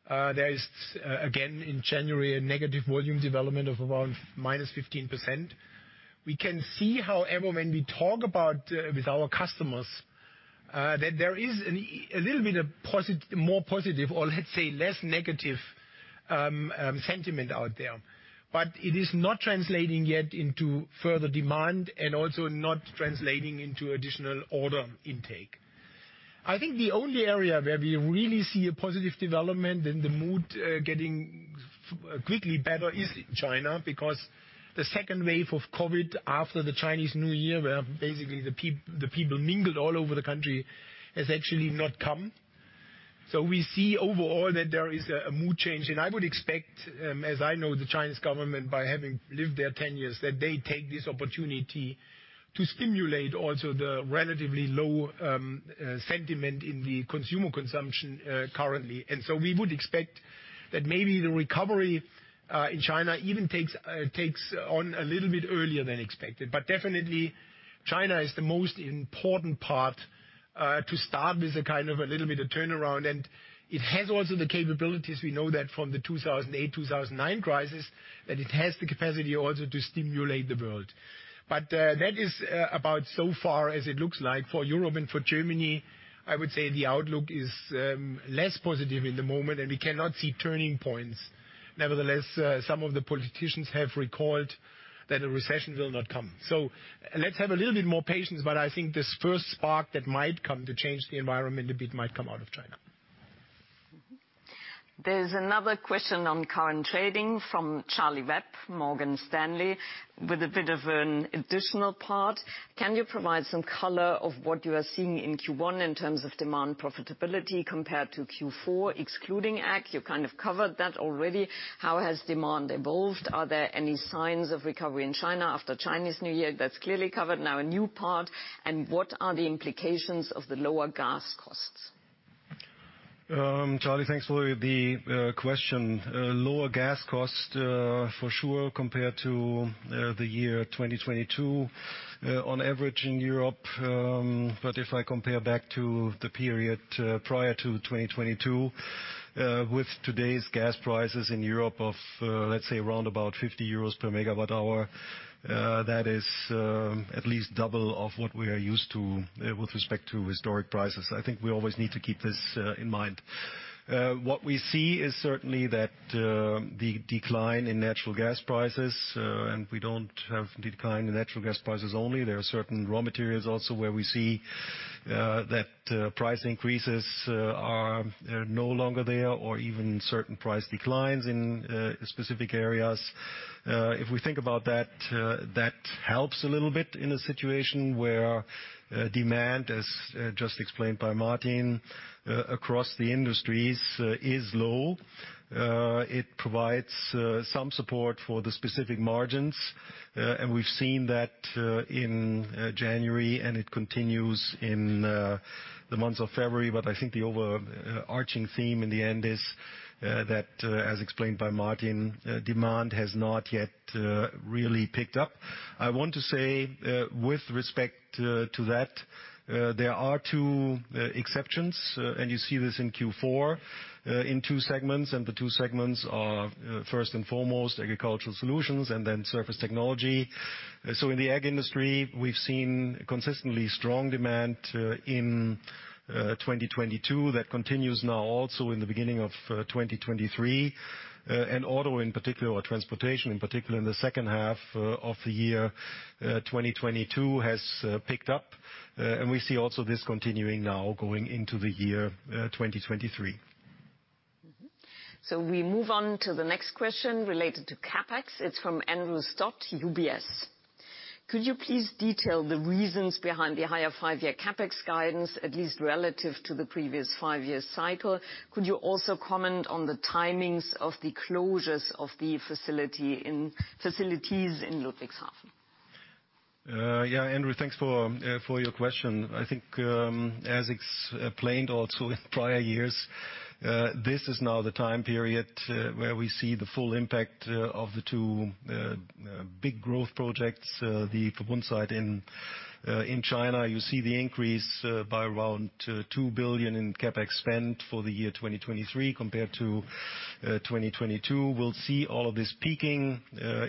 There is again, in January, a negative volume development of around -15%. We can see, however, when we talk about with our customers, that there is a little bit of more positive or, let's say, less negative sentiment out there. It is not translating yet into further demand and also not translating into additional order intake. I think the only area where we really see a positive development and the mood getting quickly better is in China, because the second wave of COVID after the Chinese New Year, where basically the people mingled all over the country, has actually not come. We see overall that there is a mood change. I would expect as I know the Chinese government by having lived there 10 years, that they take this opportunity to stimulate also the relatively low sentiment in the consumer consumption currently. We would expect that maybe the recovery in China even takes on a little bit earlier than expected. Definitely China is the most important part to start with a a little bit of turnaround. It has also the capabilities, we know that from the 2008, 2009 crisis, that it has the capacity also to stimulate the world. That is about so far as it looks like. For Europe and for Germany, I would say the outlook is less positive in the moment, and we cannot see turning points. Nevertheless, some of the politicians have recalled that a recession will not come. Let's have a little bit more patience, but I think this first spark that might come to change the environment a bit might come out of China. There's another question on current trading from Charlie Webb, Morgan Stanley, with a bit of an additional part: Can you provide some color of what you are seeing in Q1 in terms of demand profitability compared to Q4, excluding ag? You covered that already. How has demand evolved? Are there any signs of recovery in China after Chinese New Year? That's clearly covered. Now a new part, what are the implications of the lower gas costs? Charlie, thanks for the question. Lower gas costs for sure compared to the year 2022 on average in Europe. If I compare back to the period prior to 2022 with today's gas prices in Europe of let's say around about 50 euros per megawatt hour, that is at least double of what we are used to with respect to historic prices. I think we always need to keep this in mind. What we see is certainly that the decline in natural gas prices, we don't have decline in natural gas prices only. There are certain raw materials also where we see that price increases are no longer there, or even certain price declines in specific areas. If we think about that helps a little bit in a situation where demand, as just explained by Martin, across the industries, is low. It provides some support for the specific margins. We've seen that in January, and it continues in the month of February. I think the over-arching theme in the end is that as explained by Martin, demand has not yet really picked up. I want to say with respect to that, there are two exceptions, and you see this in Q4 in two segments, and the two segments are first and foremost Agricultural Solutions, and then Surface Technology. In the ag industry, we've seen consistently strong demand in 2022. That continues now also in the beginning of 2023. Auto in particular, or transportation in particular, in the H2 of the year 2022 has picked up. We see also this continuing now going into the year 2023. We move on to the next question related to CapEx. It's from Andrew Stott, UBS: Could you please detail the reasons behind the higher five-year CapEx guidance, at least relative to the previous five-year cycle? Could you also comment on the timings of the closures of the facilities in Ludwigshafen? Yeah, Andrew, thanks for your question. I think, as explained also in prior years, this is now the time period, where we see the full impact of the two big growth projects, the Verbund site in China. You see the increase by around 2 billion in CapEx spend for the year 2023 compared to 2022. We'll see all of this peaking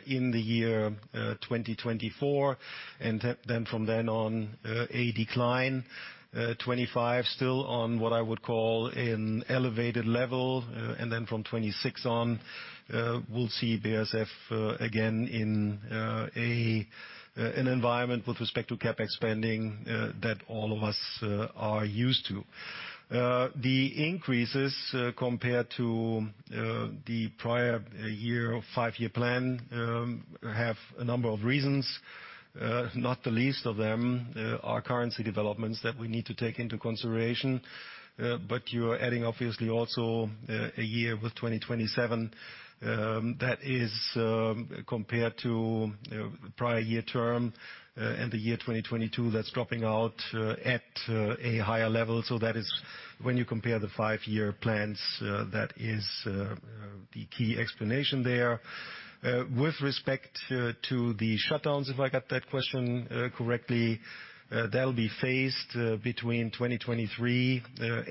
in the year 2024, and then from then on, a decline. 2025 still on what I would call an elevated level. And then from 2026 on, we'll see BASF again in an environment with respect to CapEx spending that all of us are used to. The increases compared to the prior year or 5-year plan have a number of reasons, not the least of them are currency developments that we need to take into consideration. You're adding obviously also a year with 2027 that is compared to prior year term and the year 2022 that's dropping out at a higher level. When you compare the 5-year plans, that is the key explanation there. With respect to the shutdowns, if I got that question correctly, that'll be phased between 2023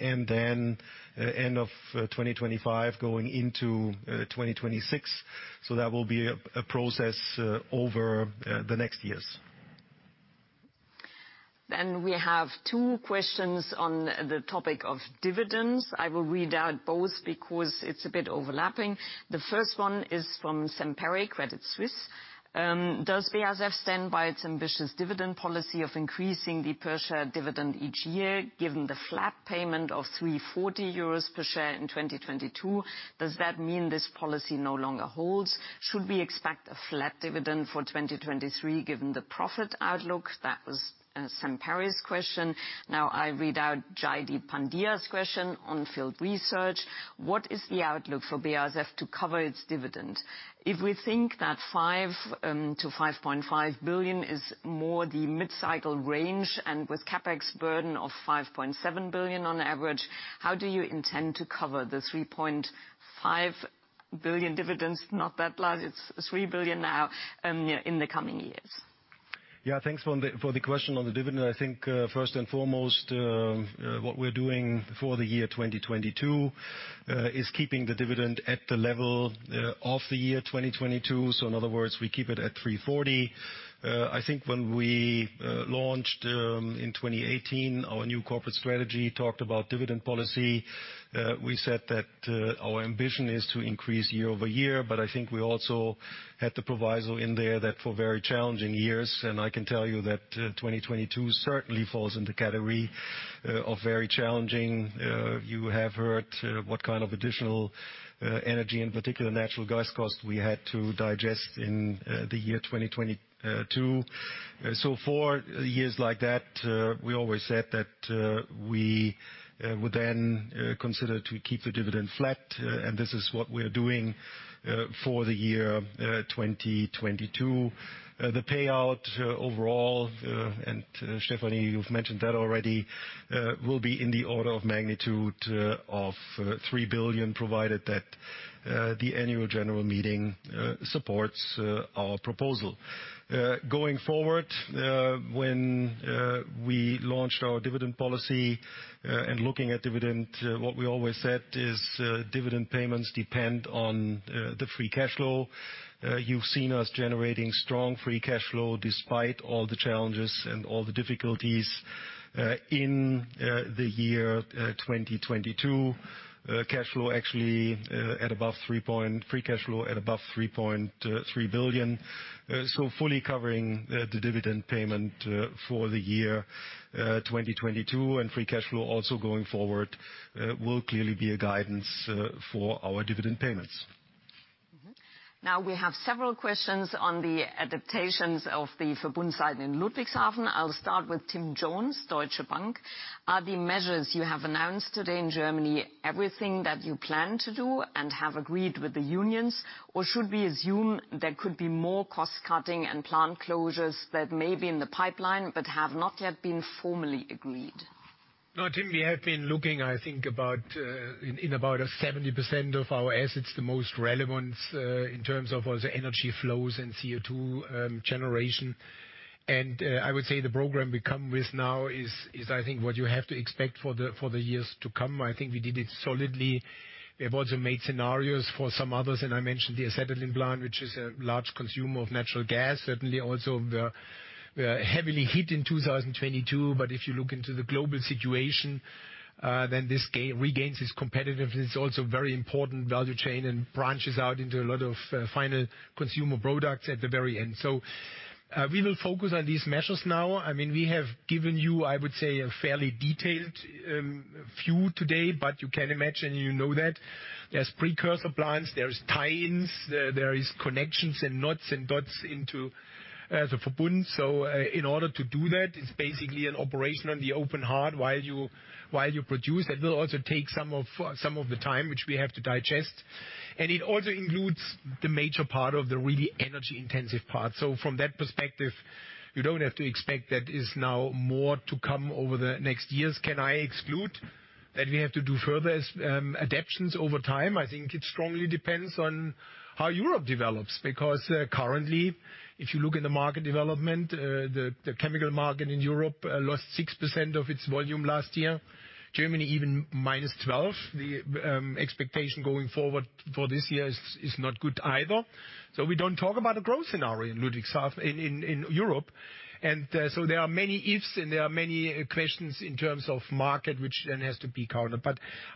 and then end of 2025 going into 2026. That will be a process over the next years. We have 2 questions on the topic of dividends. I will read out both because it's a bit overlapping. The first one is from Sam Perry, Credit Suisse. Does BASF stand by its ambitious dividend policy of increasing the per share dividend each year, given the flat payment of 3.40 euros per share in 2022? Does that mean this policy no longer holds? Should we expect a flat dividend for 2023 given the profit outlook? That was Sam Perry's question. I read out Jaideep Pandya's question on On Field Research. What is the outlook for BASF to cover its dividend? If we think that 5 to 5.5 billion is more the mid-cycle range, and with CapEx burden of 5.7 billion on average, how do you intend to cover the 3.5 billion dividends? Not that large, it's 3 billion now, yeah, in the coming years. Yeah, thanks for the question on the dividend. I think, first and foremost, what we're doing for the year 2022 is keeping the dividend at the level of the year 2022. In other words, we keep it at 3.40. I think when we launched in 2018 our new corporate strategy, talked about dividend policy, we said that our ambition is to increase year-over-year. I think we also had the proviso in there that for very challenging years, and I can tell you that 2022 certainly falls in the category of very challenging. You have heard what additional energy, in particular, natural gas costs we had to digest in the year 2022. For years like that, we always said that we would then consider to keep the dividend flat, and this is what we're doing for the year 2022. The payout overall, and Stephanie, you've mentioned that already, will be in the order of magnitude of 3 billion, provided that the annual general meeting supports our proposal. Going forward, when we launched our dividend policy, and looking at dividend, what we always said is, dividend payments depend on the free cash flow. You've seen us generating strong free cash flow despite all the challenges and all the difficulties in the year 2022. Cash flow actually, free cash flow at above 3.3 billion. Fully covering the dividend payment for the year 2022, and free cash flow also going forward, will clearly be a guidance for our dividend payments. Mm-hmm. We have several questions on the adaptations of the Verbund site in Ludwigshafen. I'll start with Tim Jones, Deutsche Bank. Are the measures you have announced today in Germany everything that you plan to do and have agreed with the unions, or should we assume there could be more cost-cutting and plant closures that may be in the pipeline but have not yet been formally agreed? Tim, we have been looking, I think about in about 70% of our assets, the most relevant, in terms of all the energy flows and CO2 generation. I would say the program we come with now is, I think what you have to expect for the years to come. I think we did it solidly. We have also made scenarios for some others, and I mentioned the acetylene plant, which is a large consumer of natural gas, certainly also heavily hit in 2022. If you look into the global situation, then this regains its competitiveness. It's also very important value chain and branches out into a lot of final consumer products at the very end. We will focus on these measures now. I mean, we have given you, I would say, a fairly detailed view today. You can imagine, you know that. There's precursor plants, there's tie-ins, there is connections and nuts and bolts into the Verbund. In order to do that, it's basically an operation on the open heart while you produce. That will also take some of the time which we have to digest. It also includes the major part of the really energy-intensive part. From that perspective, you don't have to expect that is now more to come over the next years. Can I exclude that we have to do further adaptations over time? I think it strongly depends on how Europe develops, because currently, if you look in the market development, the chemical market in Europe lost 6% of its volume last year. Germany even -12%. The expectation going forward for this year is not good either. We don't talk about a growth scenario in Ludwigshafen in Europe. There are many ifs and there are many questions in terms of market which then has to be counted.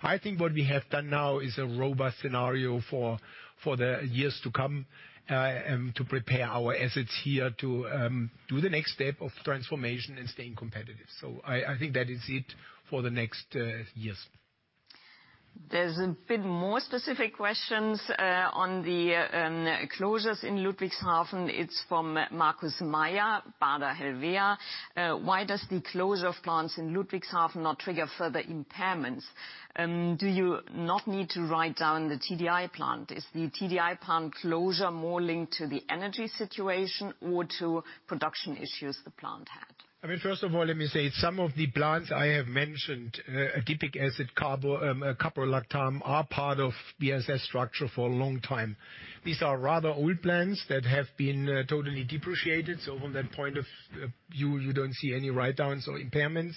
I think what we have done now is a robust scenario for the years to come to prepare our assets here to do the next step of transformation and staying competitive. I think that is it for the next years. There's a bit more specific questions on the closures in Ludwigshafen. It's from Markus Mayer, Baader Helvea. Why does the closure of plants in Ludwigshafen not trigger further impairments? Do you not need to write down the TDI plant? Is the TDI plant closure more linked to the energy situation or to production issues the plant had? First of all, let me say some of the plants I have mentioned, adipic acid, caprolactam are part of BASF structure for a long time. These are rather old plants that have been totally depreciated. From that point of view, you don't see any write downs or impairments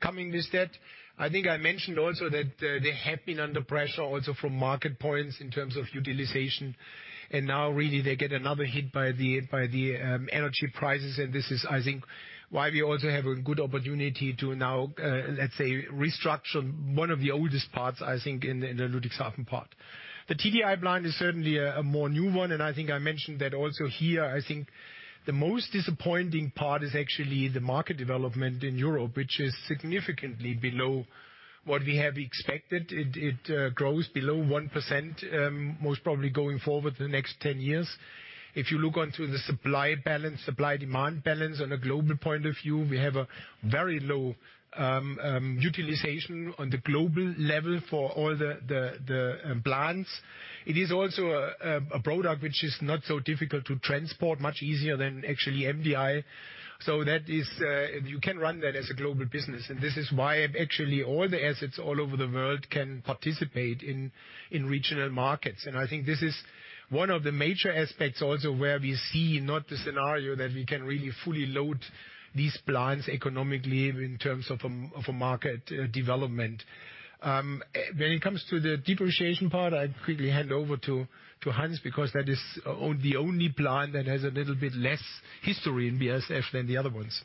coming with that. I think I mentioned also that they have been under pressure also from market points in terms of utilization, and now really they get another hit by the energy prices. This is I think why we also have a good opportunity to now, let's say, restructure one of the oldest parts, I think, in the Ludwigshafen part. The TDI plant is certainly a more new one, and I think I mentioned that also here. I think the most disappointing part is actually the market development in Europe, which is significantly below what we have expected. It grows below 1%, most probably going forward the next 10 years. If you look onto the supply balance, supply-demand balance on a global point of view, we have a very low utilization on the global level for all the plants. It is also a product which is not so difficult to transport, much easier than actually MDI. That is, you can run that as a global business. This is why actually all the assets all over the world can participate in regional markets. I think this is one of the major aspects also where we see not the scenario that we can really fully load these plants economically in terms of a market development. When it comes to the depreciation part, I quickly hand over to Hans, because that is the only plant that has a little bit less history in BASF than the other ones.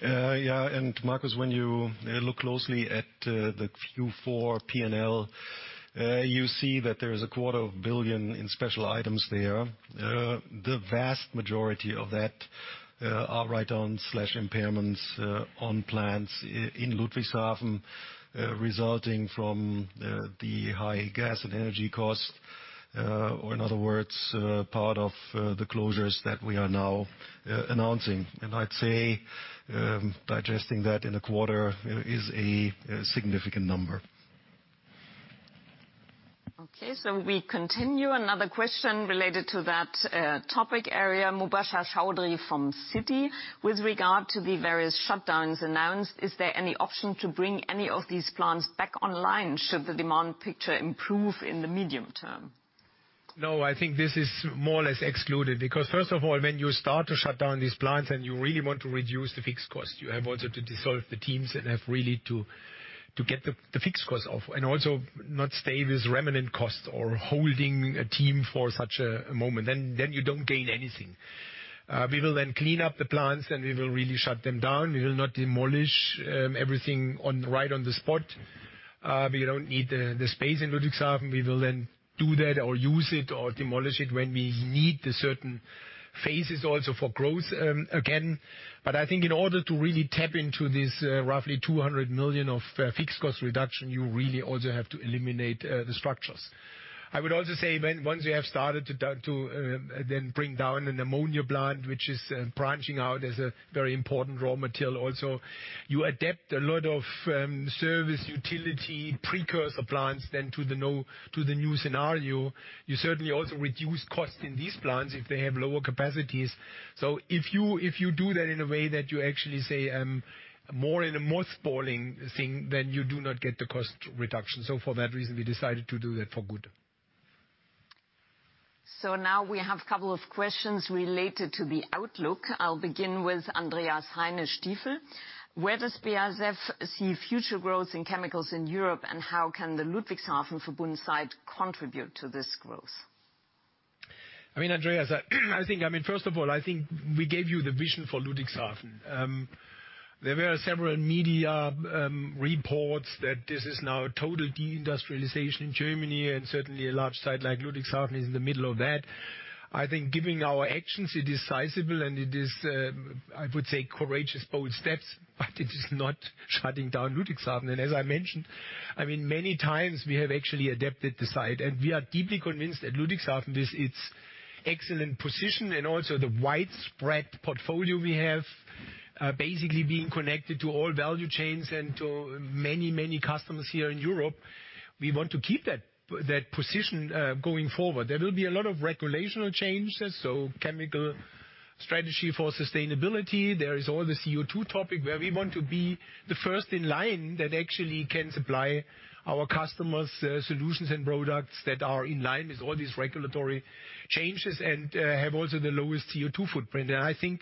Yeah, Markus, when you look closely at the Q4 PNL, you see that there is a quarter of billion EUR in special items there. The vast majority of that are write-down/impairments on plants in Ludwigshafen, resulting from the high gas and energy costs. In other words, part of the closures that we are now announcing. I'd say, digesting that in a quarter is a significant number. We continue. Another question related to that topic area, Mubasher Chaudhry from Citi: With regard to the various shutdowns announced, is there any option to bring any of these plants back online should the demand picture improve in the medium term? No, I think this is more or less excluded because first of all, when you start to shut down these plants and you really want to reduce the fixed cost, you have also to dissolve the teams and have really to get the fixed costs off and also not stay with remnant costs or holding a team for such a moment. You don't gain anything. We will then clean up the plants, and we will really shut them down. We will not demolish everything on right on the spot. We don't need the space in Ludwigshafen. We will then do that or use it or demolish it when we need the certain phases also for growth again. I think in order to really tap into this, roughly 200 million of fixed cost reduction, you really also have to eliminate the structures. I would also say once you have started to to then bring down an ammonia plant, which is branching out as a very important raw material also, you adapt a lot of service utility precursor plants then to the new, to the new scenario. You certainly also reduce cost in these plants if they have lower capacities. If you, if you do that in a way that you actually say more in a mothballing thing, then you do not get the cost reduction. For that reason, we decided to do that for good. Now we have couple of questions related to the outlook. I'll begin with Andreas Heine Stifel. Where does BASF see future growth in chemicals in Europe, and how can the Ludwigshafen Verbund site contribute to this growth? I mean, Andreas, I think, I mean, first of all, I think we gave you the vision for Ludwigshafen. There were several media reports that this is now a total deindustrialization in Germany, and certainly a large site like Ludwigshafen is in the middle of that. I think given our actions, it is sizable, and it is, I would say, courageous, bold steps, but it is not shutting down Ludwigshafen. As I mentioned, I mean, many times we have actually adapted the site, and we are deeply convinced that Ludwigshafen with its excellent position and also the widespread portfolio we have, basically being connected to all value chains and to many, many customers here in Europe, we want to keep that position going forward. There will be a lot of regulational changes, so Chemicals Strategy for Sustainability. There is all the CO2 topic where we want to be the first in line that actually can supply our customers solutions and products that are in line with all these regulatory changes and have also the lowest CO2 footprint. I think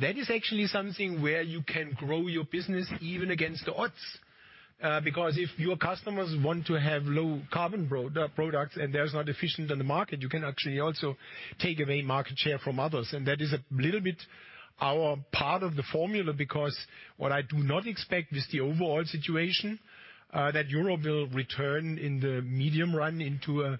that is actually something where you can grow your business even against the odds because if your customers want to have low carbon products and that is not efficient in the market, you can actually also take away market share from others. That is a little bit our part of the formula because what I do not expect with the overall situation that Europe will return in the medium run into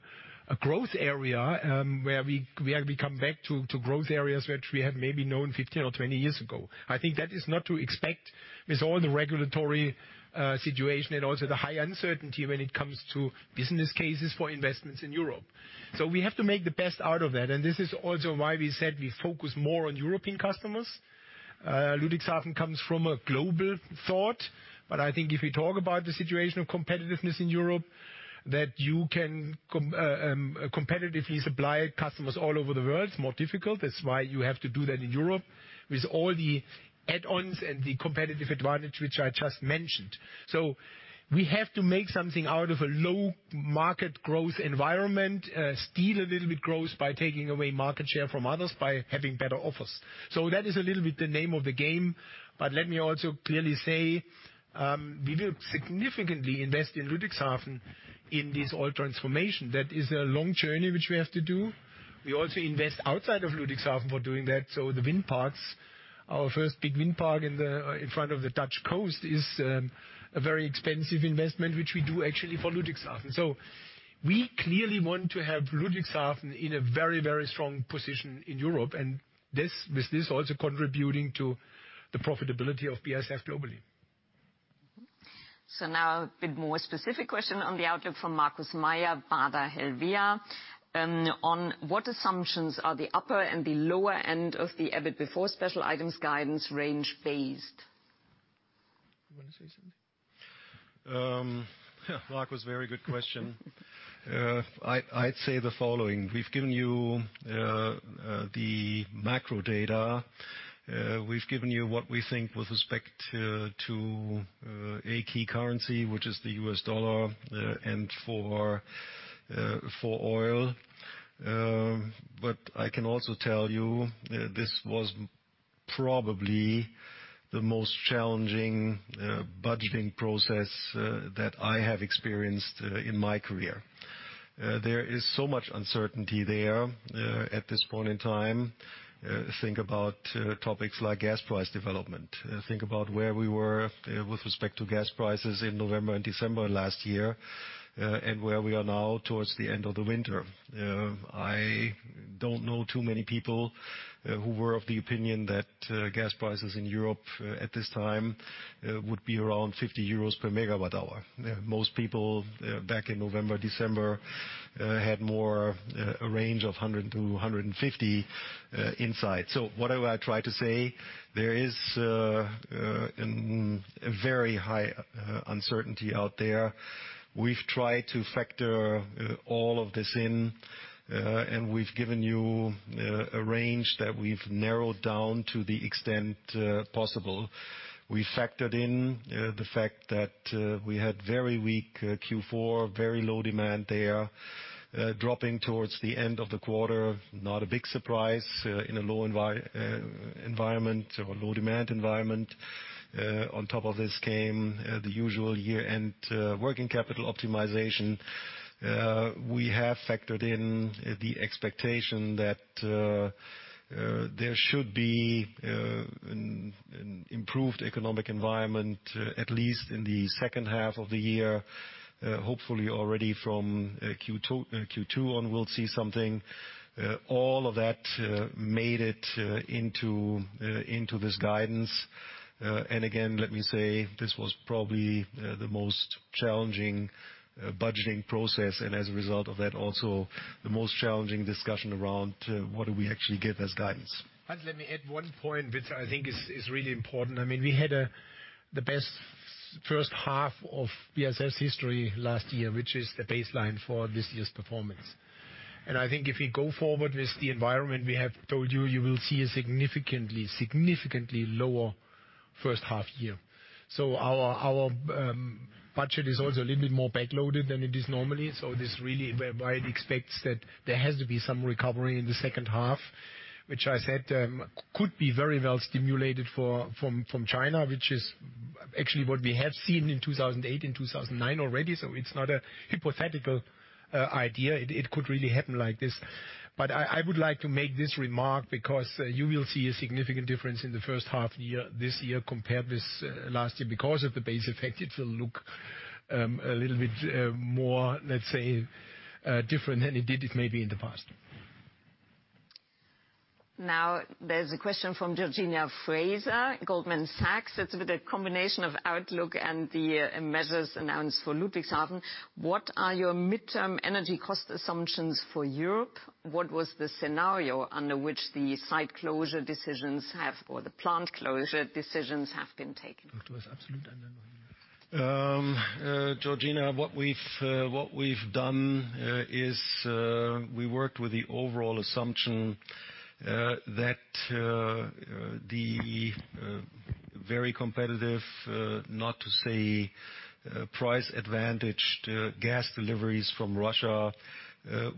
a growth area where we come back to growth areas which we have maybe known 15 or 20 years ago. I think that is not to expect with all the regulatory situation and also the high uncertainty when it comes to business cases for investments in Europe. We have to make the best out of that, and this is also why we said we focus more on European customers. Ludwigshafen comes from a global thought, but I think if you talk about the situation of competitiveness in Europe, that you can competitively supply customers all over the world is more difficult. You have to do that in Europe with all the add-ons and the competitive advantage which I just mentioned. We have to make something out of a low market growth environment, steal a little bit growth by taking away market share from others by having better offers. That is a little bit the name of the game, but let me also clearly say, we will significantly invest in Ludwigshafen in this oil transformation. That is a long journey which we have to do. We also invest outside of Ludwigshafen for doing that. The wind parks, our first big wind park in the in front of the Dutch coast is a very expensive investment which we do actually for Ludwigshafen. We clearly want to have Ludwigshafen in a very, very strong position in Europe, and this, with this also contributing to the profitability of BASF globally. Now a bit more specific question on the outlook from Markus Mayer, Baader Helvea. On what assumptions are the upper and the lower end of the EBIT before special items guidance range based? You want to say something? Markus, very good question. I'd say the following. We've given you the macro data, we've given you what we think with respect to a key currency, which is the US dollar, and for oil. I can also tell you this was probably the most challenging budgeting process that I have experienced in my career. There is so much uncertainty there at this point in time. Think about topics like gas price development. Think about where we were with respect to gas prices in November and December last year, and where we are now towards the end of the winter. I don't know too many people who were of the opinion that gas prices in Europe at this time would be around 50 euros per megawatt hour. Most people back in November, December had more a range of 100-150 per megawatt hour in sight. What I would try to say, there is a very high uncertainty out there. We've tried to factor all of this in, and we've given you a range that we've narrowed down to the extent possible. We factored in the fact that we had very weak Q4, very low demand there, dropping towards the end of the quarter. Not a big surprise in a low demand environment. On top of this came the usual year-end working capital optimization. n the expectation that there should be an improved economic environment, at least in the H2 of the year, hopefully already from Q2 on, we will see something. All of that made it into this guidance. And again, let me say this was probably the most challenging budgeting process, and as a result of that, also the most challenging discussion around what do we actually give as guidance Let me add one point which I think is really important. I mean, we had the best H1 of BASF's history last year, which is the baseline for this year's performance. I think if we go forward with the environment we have told you will see a significantly lower H1 year. Our budget is also a little bit more back-loaded than it is normally. This really whereby it expects that there has to be some recovery in the H2, which I said could be very well stimulated from China, which is actually what we have seen in 2008 and 2009 already. It's not a hypothetical idea. It could really happen like this. I would like to make this remark because you will see a significant difference in the H1 year this year compared with last year. Because of the base effect, it will look a little bit more, let's say, different than it did maybe in the past. Now there's a question from Georgina Fraser, Goldman Sachs. It's with a combination of outlook and the measures announced for Ludwigshafen. What are your midterm energy cost assumptions for Europe? What was the scenario under which the plant closure decisions have been taken? Georgina, what we've done is we worked with the overall assumption that the very competitive, not to say price-advantaged gas deliveries from Russia,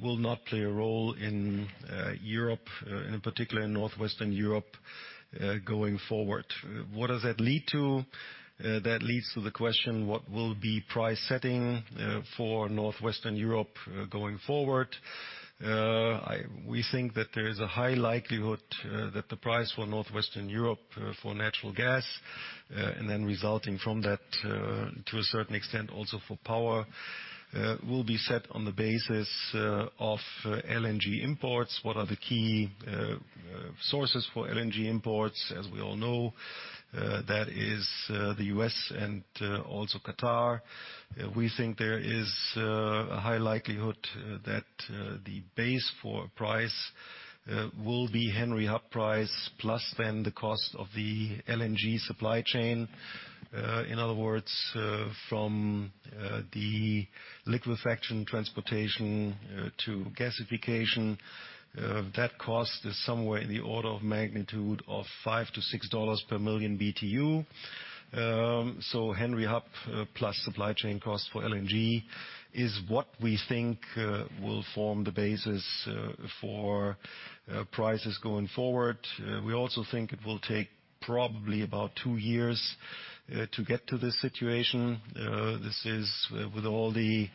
will not play a role in Europe and in particular in Northwestern Europe going forward. What does that lead to? That leads to the question, what will be price setting for Northwestern Europe going forward? We think that there is a high likelihood that the price for Northwestern Europe for natural gas, and then resulting from that to a certain extent also for power, will be set on the basis of LNG imports. What are the key sources for LNG imports? As we all know, that is the U.S. and also Qatar. We think there is a high likelihood that the base for price will be Henry Hub price plus then the cost of the LNG supply chain. In other words, from the liquefaction transportation to gasification, that cost is somewhere in the order of magnitude of $5-$6 per million BTU. Henry Hub plus supply chain costs for LNG is what we think will form the basis for prices going forward. We also think it will take probably about two years to get to this situation. This is, with all the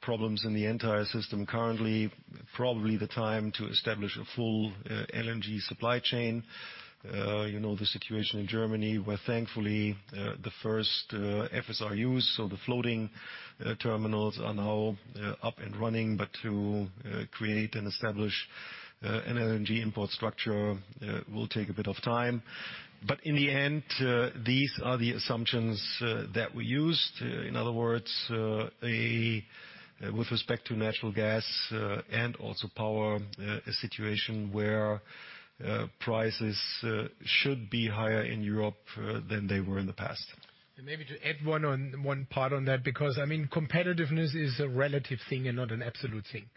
problems in the entire system currently, probably the time to establish a full LNG supply chain. You know, the situation in Germany, where thankfully, the first FSRUs, so the floating terminals are now up and running. To create and establish an LNG import structure will take a bit of time. In the end, these are the assumptions that we used. In other words, With respect to natural gas, and also power, a situation where prices should be higher in Europe than they were in the past. Maybe to add one part on that, because, I mean, competitiveness is a relative thing and not an absolute thing.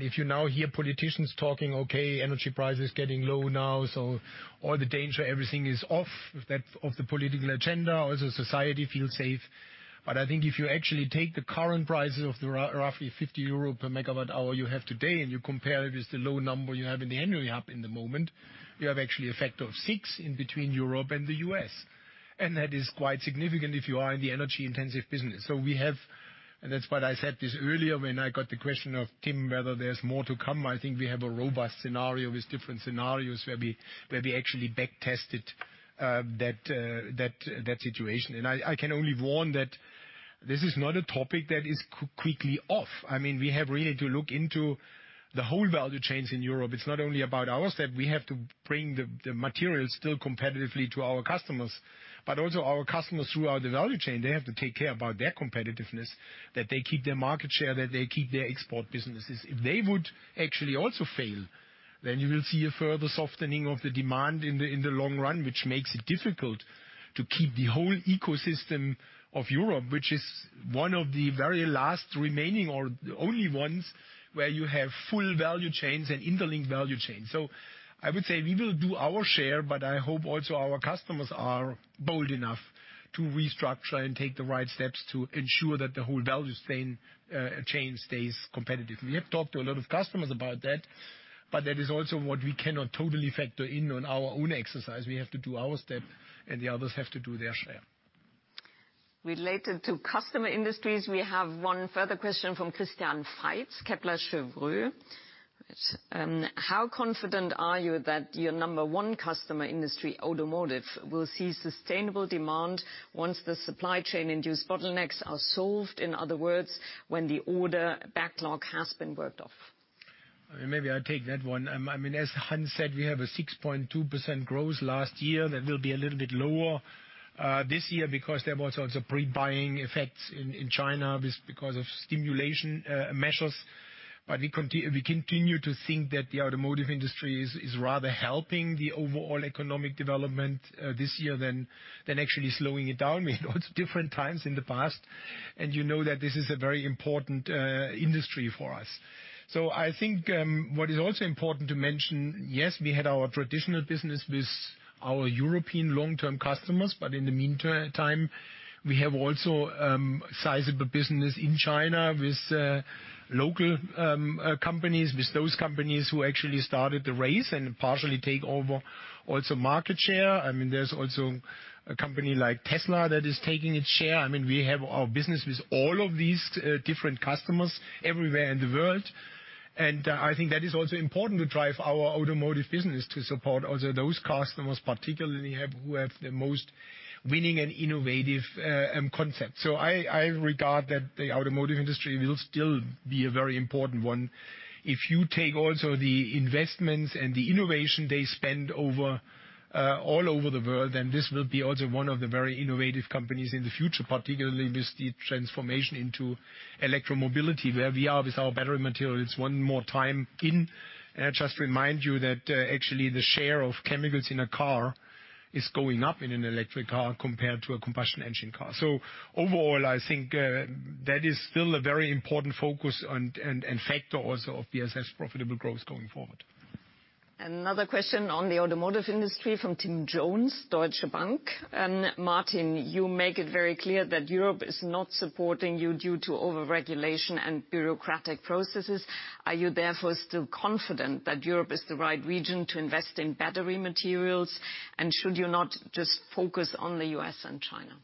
If you now hear politicians talking, okay, energy prices getting low now, so all the danger, everything is off that, of the political agenda, or as a society feel safe. I think if you actually take the current prices of the rough, roughly 50 euro per megawatt hour you have today, and you compare it with the low number you have in the Henry Hub in the moment, you have actually a factor of six in between Europe and the US. That is quite significant if you are in the energy-intensive business. We have. That's what I said this earlier when I got the question of Tim, whether there's more to come. I think we have a robust scenario with different scenarios where we actually back-tested that situation. I can only warn that this is not a topic that is quickly off. I mean, we have really to look into the whole value chains in Europe. It's not only about our step. We have to bring the materials still competitively to our customers. Also our customers throughout the value chain, they have to take care about their competitiveness, that they keep their market share, that they keep their export businesses. If they would actually also fail, you will see a further softening of the demand in the long run, which makes it difficult to keep the whole ecosystem of Europe, which is one of the very last remaining or the only ones where you have full value chains and interlinked value chains. I would say we will do our share, I hope also our customers are bold enough to restructure and take the right steps to ensure that the whole value chain stays competitive. We have talked to a lot of customers about that is also what we cannot totally factor in on our own exercise. We have to do our step, the others have to do their share. Related to customer industries, we have one further question from Christian Faitz, Kepler Cheuvreux. How confident are you that your number one customer industry, automotive, will see sustainable demand once the supply chain-induced bottlenecks are solved? In other words, when the order backlog has been worked off. Maybe I take that one. I mean, as Hans said, we have a 6.2% growth last year that will be a little bit lower this year because there was also pre-buying effects in China because of stimulation measures. We continue to think that the automotive industry is rather helping the overall economic development this year than actually slowing it down. We had lots of different times in the past, and you know that this is a very important industry for us. I think, what is also important to mention, yes, we had our traditional business with our European long-term customers, but in the meantime, we have also sizable business in China with local companies, with those companies who actually started the race and partially take over also market share. I mean, there's also a company like Tesla that is taking its share. I mean, we have our business with all of these different customers everywhere in the world. I think that is also important to drive our automotive business to support also those customers, particularly who have the most winning and innovative concept. I regard that the automotive industry will still be a very important one. If you take also the investments and the innovation they spend over all over the world, this will be also one of the very innovative companies in the future, particularly with the transformation into electromobility, where we are with our battery materials one more time in. Just to remind you that actually the share of chemicals in a car is going up in an electric car compared to a combustion engine car. Overall, I think that is still a very important focus and factor also of BASF's profitable growth going forward. Another question on the automotive industry from Tim Jones, Deutsche Bank. Martin, you make it very clear that Europe is not supporting you due to overregulation and bureaucratic processes. Are you therefore still confident that Europe is the right region to invest in battery materials? Should you not just focus on the US and China?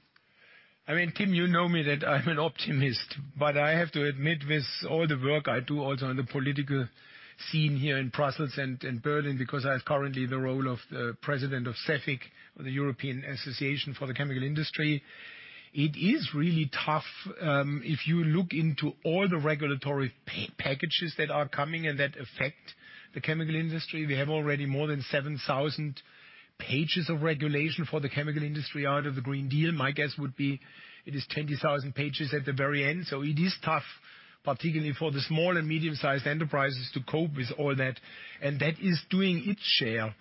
Tim, you know me that I'm an optimist, but I have to admit, with all the work I do also on the political scene here in Brussels and in Berlin, because I have currently the role of the president of CEFIC, the European Association for the Chemical Industry, it is really tough, if you look into all the regulatory packages that are coming and that affect the chemical industry. We have already more than 7,000 pages of regulation for the chemical industry out of the Green Deal. My guess would be it is 20,000 pages at the very end. It is tough, particularly for the small and medium-sized enterprises to cope with all that. That is doing its share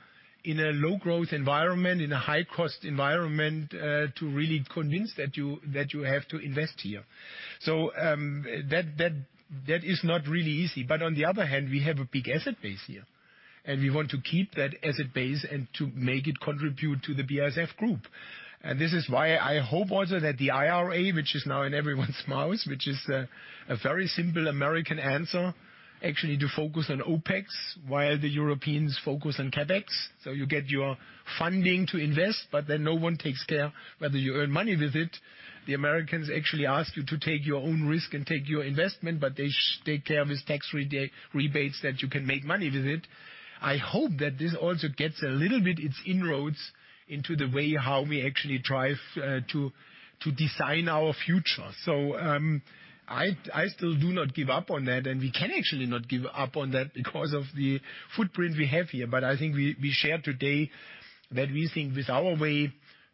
in a low-growth environment, in a high-cost environment, to really convince that you have to invest here. That is not really easy. On the other hand, we have a big asset base here. We want to keep that asset base and to make it contribute to the BASF Group. This is why I hope also that the IRA, which is now in everyone's mouths, which is a very simple American answer, actually to focus on OpEx while the Europeans focus on CapEx. You get your funding to invest, but then no one takes care whether you earn money with it. The Americans actually ask you to take your own risk and take your investment, but they take care of these tax rebates that you can make money with it. I hope that this also gets a little bit its inroads into the way how we actually try to design our future. I still do not give up on that, and we can actually not give up on that because of the footprint we have here. I think we shared today that we think with our way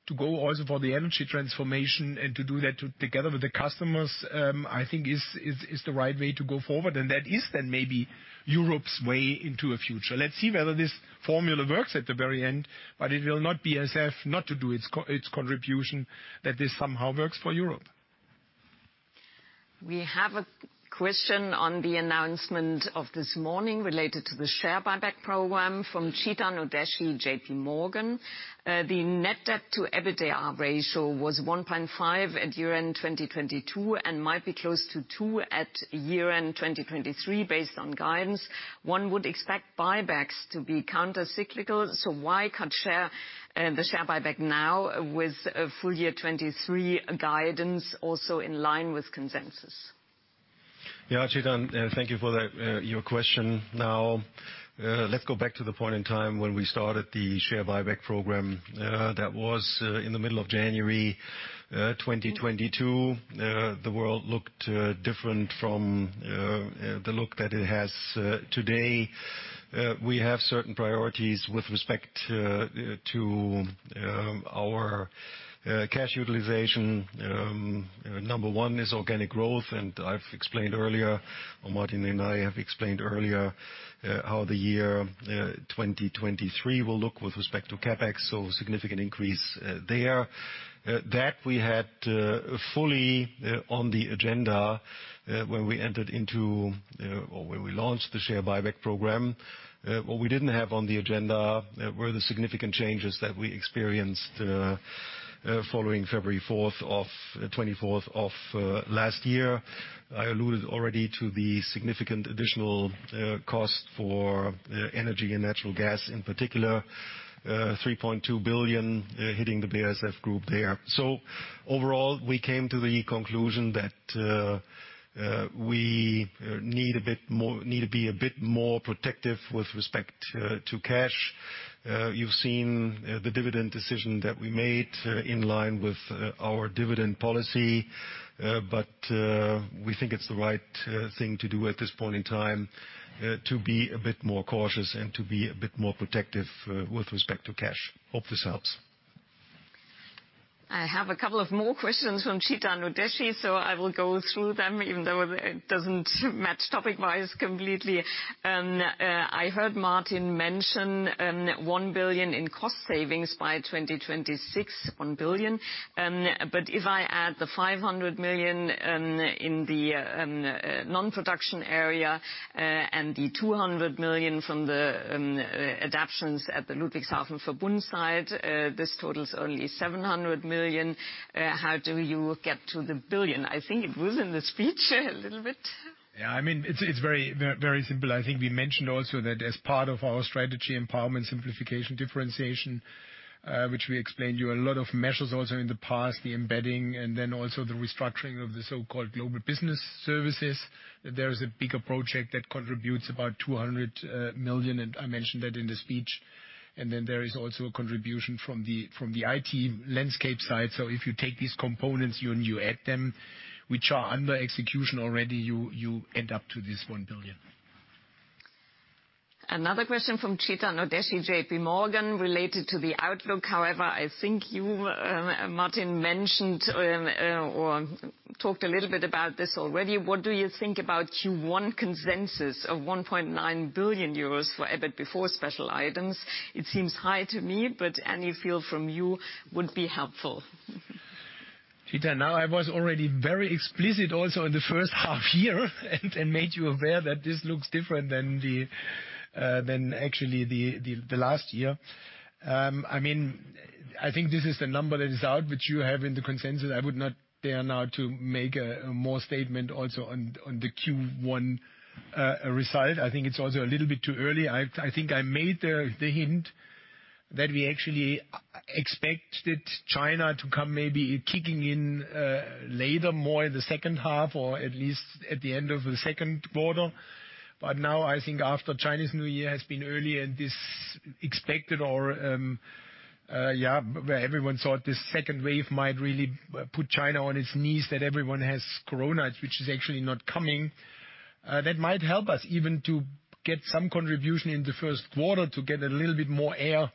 to go also for the energy transformation and to do that together with the customers, I think is the right way to go forward. That is then maybe Europe's way into a future. Let's see whether this formula works at the very end. It will not BASF not to do its contribution that this somehow works for Europe. We have a question on the announcement of this morning related to the share buyback program from Chetan Udeshi, JPMorgan. The net debt to EBITDA ratio was 1.5 at year-end 2022, and might be close to 2 at year-end 2023 based on guidance. One would expect buybacks to be counter-cyclical, so why cut the share buyback now with full year 2023 guidance also in line with consensus? Yeah, Chetan, thank you for that, your question. Let's go back to the point in time when we started the share buyback program, that was in the middle of January, 2022. The world looked different from the look that it has today. We have certain priorities with respect to our cash utilization. Number one is organic growth, and I've explained earlier, or Martin and I have explained earlier, how the year, 2023 will look with respect to CapEx, so significant increase there. That we had fully on the agenda when we entered into or when we launched the share buyback program. What we didn't have on the agenda were the significant changes that we experienced following February 24 of last year. I alluded already to the significant additional cost for energy and natural gas, in particular, 3.2 billion hitting the BASF Group there. Overall, we came to the conclusion that we need to be a bit more protective with respect to cash. You've seen the dividend decision that we made in line with our dividend policy. We think it's the right thing to do at this point in time to be a bit more cautious and to be a bit more protective with respect to cash. Hope this helps. I have a couple of more questions from Chetan Udeshi. I will go through them, even though it doesn't match topic-wise completely. I heard Martin mention 1 billion in cost savings by 2026, 1 billion. If I add the 500 million in the non-production area and the 200 million from the adaptions at the Ludwigshafen Verbund side, this totals only 700 million. How do you get to the billion? I think it was in the speech a little bit. Yeah. I mean, it's very simple. I think we mentioned also that as part of our strategy, empowerment, simplification, differentiation, which we explained you a lot of measures also in the past, the embedding and then also the restructuring of the so-called Global Business Services. There is a bigger project that contributes about 200 million, and I mentioned that in the speech. There is also a contribution from the IT landscape side. If you take these components and you add them, which are under execution already, you end up to this 1 billion. Another question from Chetan Udeshi, JPMorgan, related to the outlook. I think you, Martin, mentioned or talked a little bit about this already. What do you think about Q1 consensus of 1.9 billion euros for EBIT before special items? It seems high to me, but any feel from you would be helpful. Chetan, now I was already very explicit also in the H1 year and made you aware that this looks different than actually the last year. I mean, I think this is the number that is out, which you have in the consensus. I would not dare now to make a more statement also on the Q1 result. I think it's also a little bit too early. I think I made the hint that we actually expected China to come maybe kicking in later, more in the H2, or at least at the end of the Q2. Now I think after Chinese New Year has been early and this expected or, yeah, where everyone thought this second wave might really put China on its knees, that everyone has Corona, which is actually not coming, that might help us even to get some contribution in the Q1 to get a little bit more air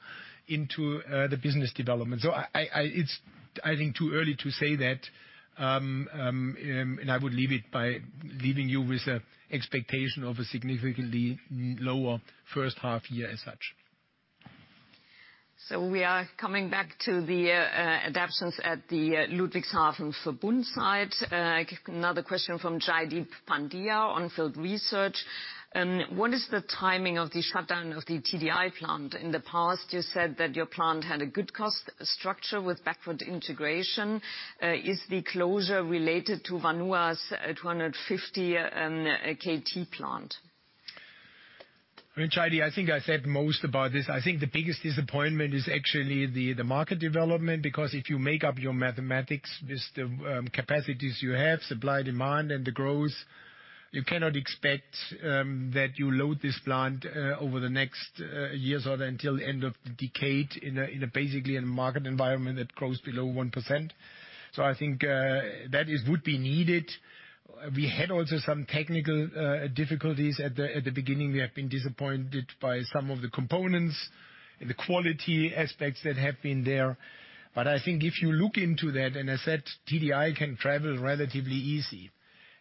into the business development. It's, I think, too early to say that, and I would leave it by leaving you with an expectation of a significantly lower H1 year as such. We are coming back to the adaptations at the Ludwigshafen Verbund site. Another question from Jaideep Pandya, On Field Research. What is the timing of the shutdown of the TDI plant? In the past, you said that your plant had a good cost structure with backward integration. Is the closure related to Wanhua's 250 KT plant? I mean, Jaideep, I think I said most about this. I think the biggest disappointment is actually the market development, because if you make up your mathematics with the capacities you have, supply, demand and the growth, you cannot expect that you load this plant over the next years or until end of the decade in a basically in a market environment that grows below 1%. I think that is would be needed. We had also some technical difficulties at the beginning. We have been disappointed by some of the components and the quality aspects that have been there. I think if you look into that, and I said TDI can travel relatively easy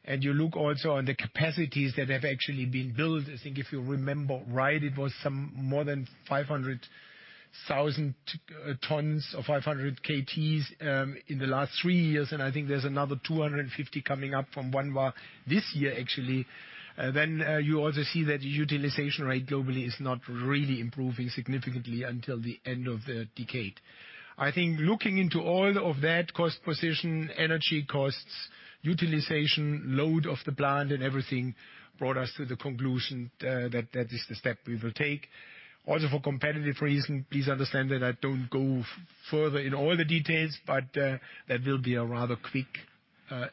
and you look also on the capacities that have actually been built. I think if you remember right, it was some more than 500,000 tons or 500 KT's, in the last three years. I think there's another 250 coming up from this year actually. You also see that utilization rate globally is not really improving significantly until the end of the decade. I think looking into all of that cost position, energy costs, utilization, load of the plant and everything brought us to the conclusion that that is the step we will take. Also for competitive reason, please understand that I don't go further in all the details, but that will be a rather quick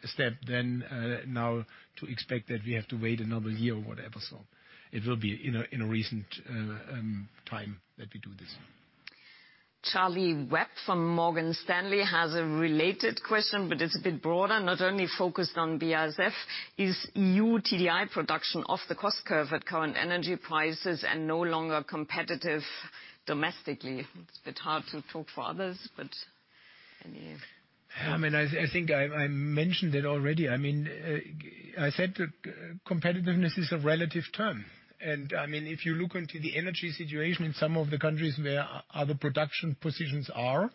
step than now to expect that we have to wait another year or whatever. It will be in a recent time that we do this. Charlie Webb from Morgan Stanley has a related question. It's a bit broader, not only focused on BASF. Is new TDI production off the cost curve at current energy prices and no longer competitive domestically? It's a bit hard to talk for others. I mean, I think I mentioned it already. I mean, I said that competitiveness is a relative term. I mean, if you look into the energy situation in some of the countries where other production positions are,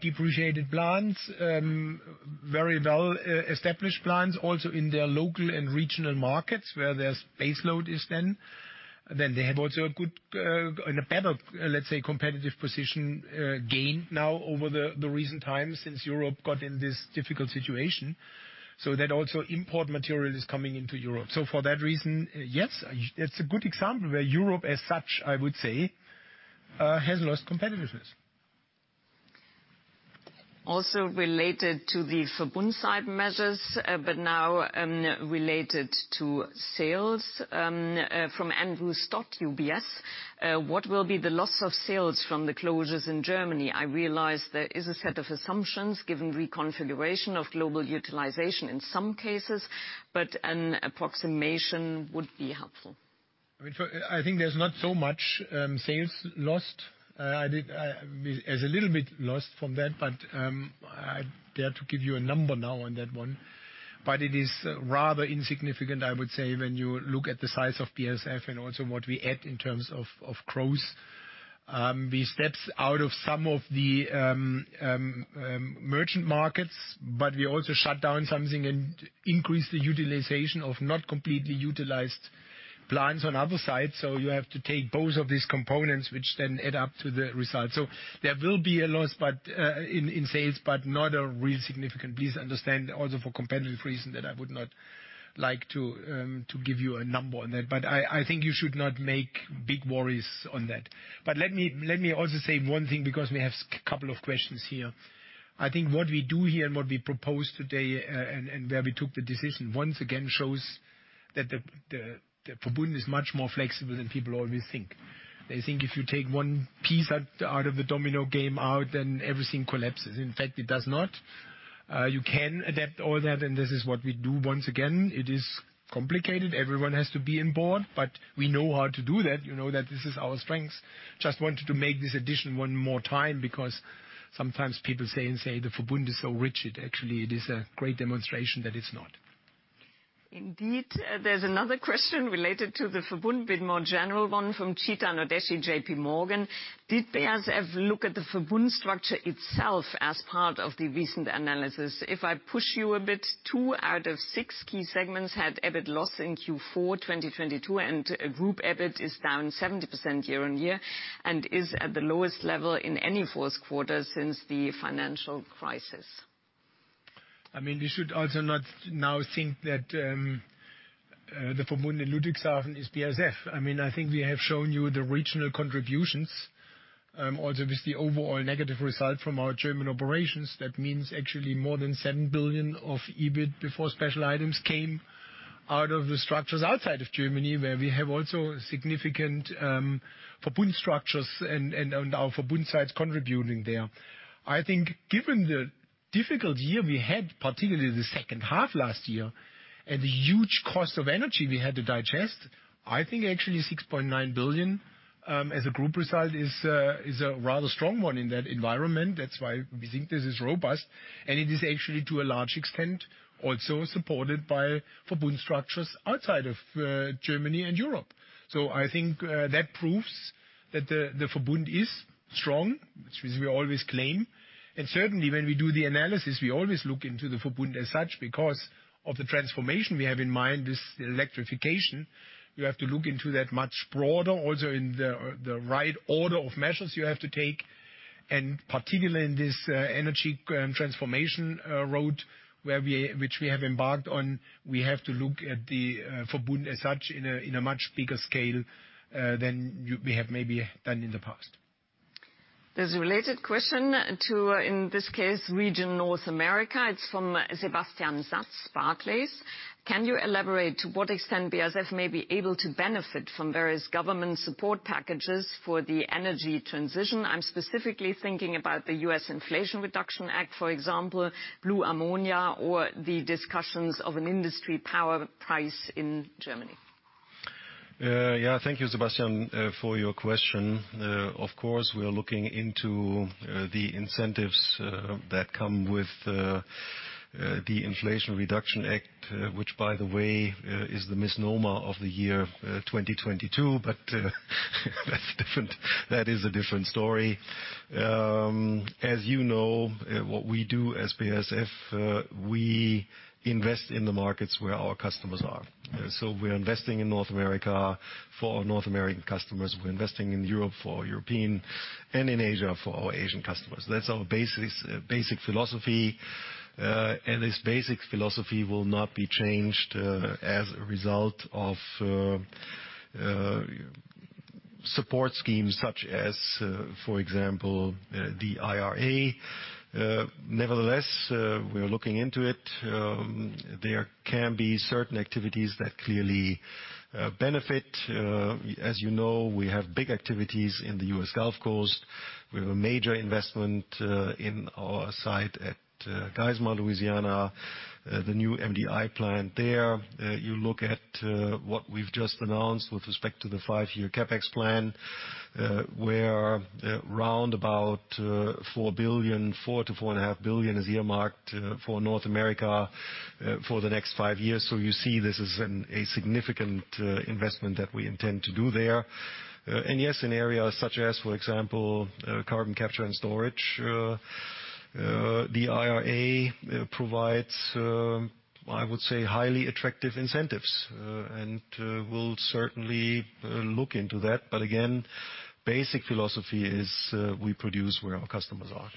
depreciated plants, very well established plants also in their local and regional markets where their space load is then. They have also a good and a better, let's say, competitive position gained now over the recent times since Europe got in this difficult situation. That also import material is coming into Europe. For that reason, yes, it's a good example where Europe as such, I would say, has lost competitiveness. Related to the Verbund side measures, but now, related to sales, from Andrew Stott, UBS. What will be the loss of sales from the closures in Germany? I realize there is a set of assumptions given reconfiguration of global utilization in some cases, but an approximation would be helpful. I mean, I think there's not so much sales lost. There's a little bit lost from that, but I dare to give you a number now on that one. It is rather insignificant, I would say, when you look at the size of BASF and also what we add in terms of growth. We steps out of some of the merchant markets, but we also shut down something and increase the utilization of not completely utilized plants on other sides. You have to take both of these components, which then add up to the result. There will be a loss, but in sales, but not a real significant. Please understand also for competitive reason that I would not like to give you a number on that. I think you should not make big worries on that. Let me also say one thing because we have couple of questions here. I think what we do here and what we propose today and where we took the decision once again shows that the Verbund is much more flexible than people always think. They think if you take one piece out of the domino game out, then everything collapses. In fact, it does not. You can adapt all that, and this is what we do. Once again, it is complicated. Everyone has to be on board, but we know how to do that. You know that this is our strengths. Just wanted to make this addition one more time because sometimes people say the Verbund is so rigid. Actually, it is a great demonstration that it's not. Indeed. There's another question related to the Verbund, a bit more general one from Chetan Udeshi, JP Morgan. Did BASF look at the Verbund structure itself as part of the recent analysis? If I push you a bit, 2 out of 6 key segments had EBIT loss in Q4 2022, and group EBIT is down 70% year-on-year and is at the lowest level in any fourth quarter since the financial crisis. I mean, you should also not now think that the Verbund in Ludwigshafen is BASF. I mean, I think we have shown you the regional contributions also with the overall negative result from our German operations. That means actually more than 7 billion of EBIT before special items came out of the structures outside of Germany, where we have also significant Verbund structures and our Verbund sites contributing there. I think given the difficult year we had, particularly the H2 last year, and the huge cost of energy we had to digest, I think actually 6.9 billion as a group result is a rather strong one in that environment. That's why we think this is robust, and it is actually to a large extent also supported by Verbund structures outside of Germany and Europe. I think that proves that the Verbund is strong, which we always claim. Certainly when we do the analysis, we always look into the Verbund as such because of the transformation we have in mind, this electrification. We have to look into that much broader also in the right order of measures you have to take. Particularly in this energy transformation road, which we have embarked on, we have to look at the Verbund as such in a much bigger scale than we have maybe done in the past. There's a related question to, in this case, region North America. It's from Sebastian Satz, Barclays. Can you elaborate to what extent BASF may be able to benefit from various government support packages for the energy transition? I'm specifically thinking about the U.S. Inflation Reduction Act, for example, blue ammonia, or the discussions of an industry power price in Germany. Yeah. Thank you, Sebastian, for your question. Of course, we are looking into the incentives that come with the Inflation Reduction Act, which by the way, is the misnomer of the year, 2022. That's different. That is a different story. As you know, what we do as BASF, we invest in the markets where our customers are. We're investing in North America for our North American customers, we're investing in Europe for our European, and in Asia for our Asian customers. That's our basis, basic philosophy. This basic philosophy will not be changed as a result of support schemes such as, for example, the IRA. We are looking into it. There can be certain activities that clearly benefit. As you know, we have big activities in the U.S. Gulf Coast. We have a major investment in our site at Geismar, Louisiana, the new MDI plant there. You look at what we've just announced with respect to the 5-year CapEx plan, where, round about, 4 billion, 4 billion-4.5 billion is earmarked for North America for the next 5 years. You see this is a significant investment that we intend to do there. Yes, in areas such as, for example, carbon capture and storage, the IRA provides, I would say, highly attractive incentives. We'll certainly look into that. Again, basic philosophy is, we produce where our customers are.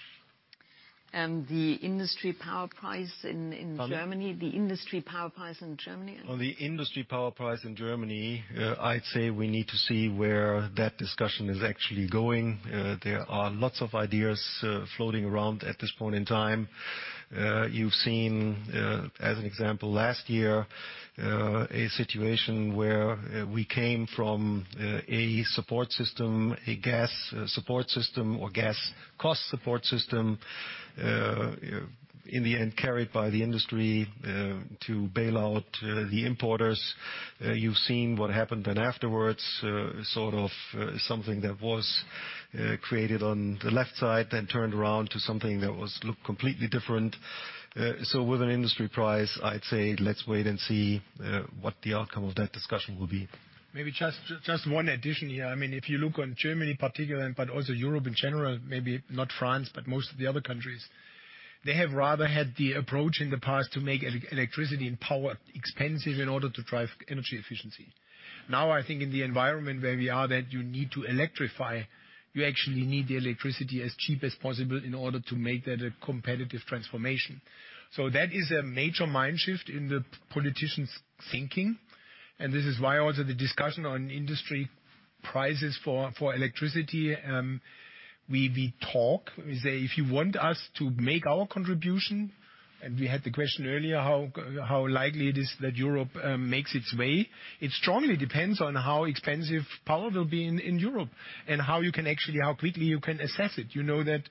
The industry power price in Germany? Pardon? The industry power price in Germany. On the industry power price in Germany, I'd say we need to see where that discussion is actually going. There are lots of ideas floating around at this point in time. You've seen, as an example, last year, a situation where we came from a support system, a gas support system, or gas cost support system, in the end carried by the industry, to bail out the importers. You've seen what happened then afterwards,, something that was created on the left side, then turned around to something that looked completely different. With an industry price, I'd say let's wait and see what the outcome of that discussion will be. Maybe just one addition here. I mean, if you look on Germany in particular, but also Europe in general, maybe not France, but most of the other countries, they have rather had the approach in the past to make electricity and power expensive in order to drive energy efficiency. Now, I think in the environment where we are that you need to electrify, you actually need the electricity as cheap as possible in order to make that a competitive transformation. That is a major mind shift in the politicians' thinking, and this is why also the discussion on industry prices for electricity, we talk. We say, If you want us to make our contribution, we had the question earlier, how likely it is that Europe makes its way, it strongly depends on how expensive power will be in Europe, and how you can actually, how quickly you can assess it. You know that,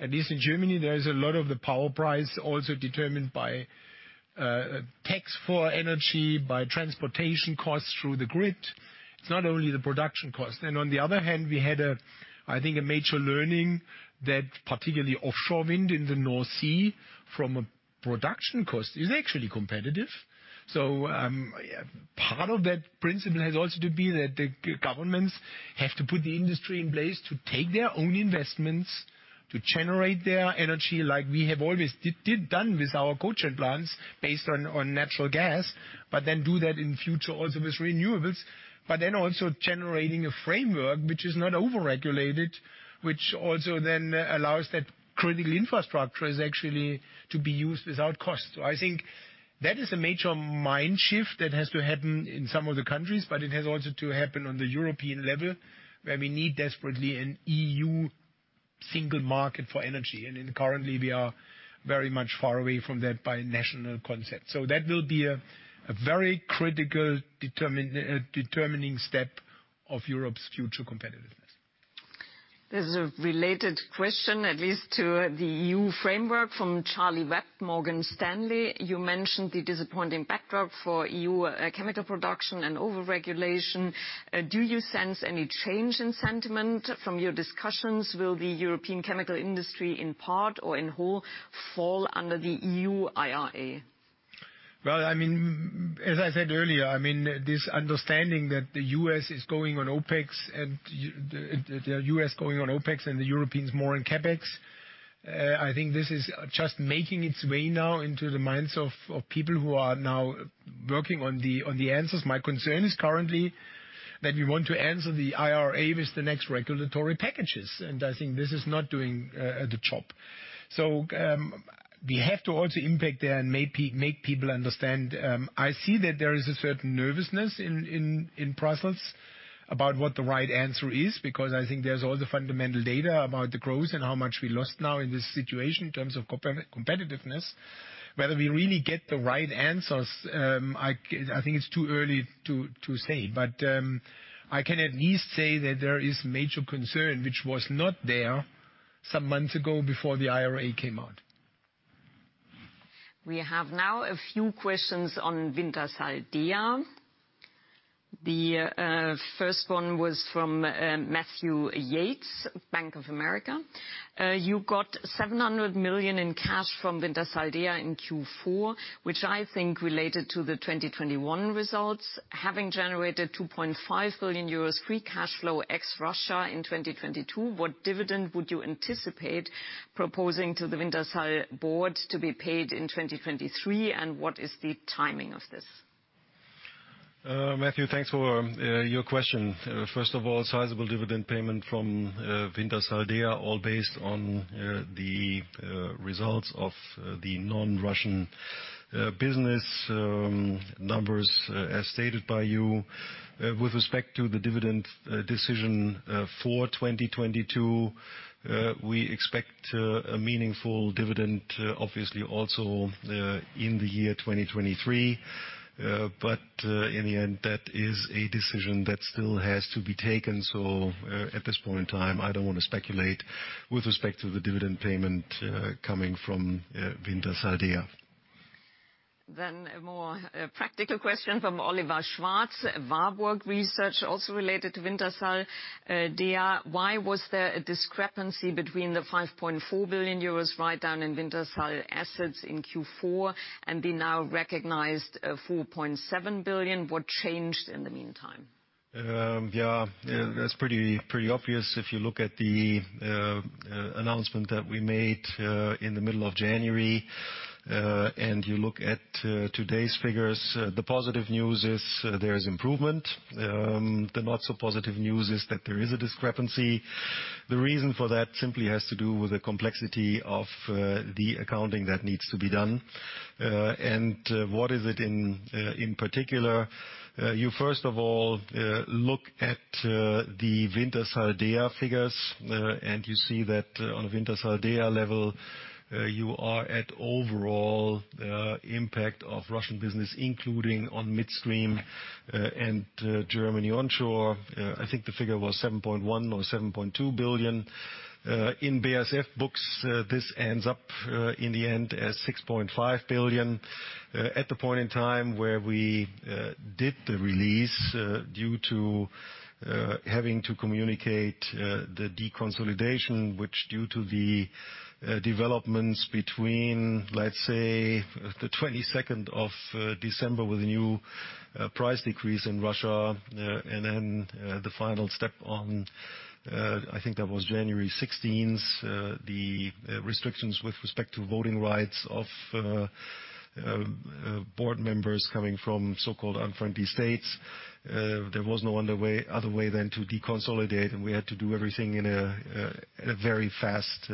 at least in Germany, there is a lot of the power price also determined by tax for energy, by transportation costs through the grid. It's not only the production cost. On the other hand, we had, I think, a major learning that particularly offshore wind in the North Sea from a production cost is actually competitive. Part of that principle has also to be that the governments have to put the industry in place to take their own investments, to generate their energy like we have always done with our cogeneration plants based on natural gas. Do that in future also with renewables. Also generating a framework which is not over-regulated, which also then allows that critical infrastructure is actually to be used without cost. I think that is a major mind shift that has to happen in some of the countries, but it has also to happen on the European level, where we need desperately an EU single market for energy. Currently, we are very much far away from that by national concept. That will be a very critical determining step of Europe's future competitiveness. This is a related question, at least to the EU framework, from Charlie Webb, Morgan Stanley. You mentioned the disappointing backdrop for EU chemical production and over-regulation. Do you sense any change in sentiment from your discussions? Will the European chemical industry, in part or in whole, fall under the EU IRA? I mean, as I said earlier, I mean, this understanding that the U.S. is going on OpEx and the Europeans more on CapEx, I think this is just making its way now into the minds of people who are now working on the answers. My concern is currently that we want to answer the IRA with the next regulatory packages, I think this is not doing the job. We have to also impact there and make people understand. I see that there is a certain nervousness in Brussels about what the right answer is, because I think there's all the fundamental data about the growth and how much we lost now in this situation in terms of competitiveness. Whether we really get the right answers, I think it's too early to say. I can at least say that there is major concern which was not there some months ago before the IRA came out. We have now a few questions on Wintershall Dea. The first one was from Matthew Yates, Bank of America. You got 700 million in cash from Wintershall Dea in Q4, which I think related to the 2021 results. Having generated 2.5 billion euros free cash flow ex Russia in 2022, what dividend would you anticipate proposing to the Wintershall board to be paid in 2023, and what is the timing of this? Matthew, thanks for your question. First of all, sizable dividend payment from Wintershall Dea all based on the results of the non-Russian business numbers, as stated by you. With respect to the dividend decision for 2022, we expect a meaningful dividend obviously also in the year 2023. In the end, that is a decision that still has to be taken. At this point in time, I don't want to speculate with respect to the dividend payment coming from Wintershall Dea. A more practical question from Oliver Schwarz, Warburg Research, also related to Wintershall Dea. Why was there a discrepancy between the 5.4 billion euros write down in Wintershall assets in Q4 and the now recognized 4.7 billion? What changed in the meantime? That's pretty obvious. If you look at the announcement that we made in the middle of January, and you look at today's figures, the positive news is there is improvement. The not so positive news is that there is a discrepancy. The reason for that simply has to do with the complexity of the accounting that needs to be done. What is it in particular? You first of all look at the Wintershall Dea figures, and you see that on a Wintershall Dea level, you are at overall impact of Russian business, including on midstream, and Germany onshore. I think the figure was 7.1 billion or 7.2 billion. In BASF books, this ends up in the end as 6.5 billion. At the point in time where we did the release, due to having to communicate the deconsolidation, which due to the developments between, let's say, the 22nd of December with the new price decrease in Russia, and then the final step on, I think that was January 16th, the restrictions with respect to voting rights of board members coming from so-called unfriendly states. There was no other way than to deconsolidate, and we had to do everything at a very fast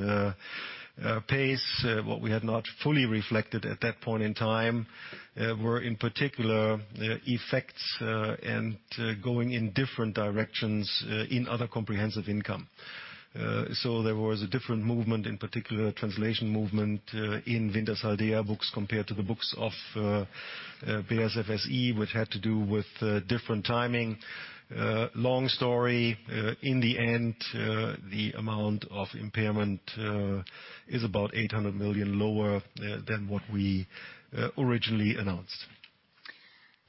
pace. What we had not fully reflected at that point in time, were in particular effects, and going in different directions, in other comprehensive income. There was a different movement, in particular a translation movement, in Wintershall Dea books compared to the books of BASF SE, which had to do with different timing. Long story. In the end, the amount of impairment is about 800 million lower than what we originally announced.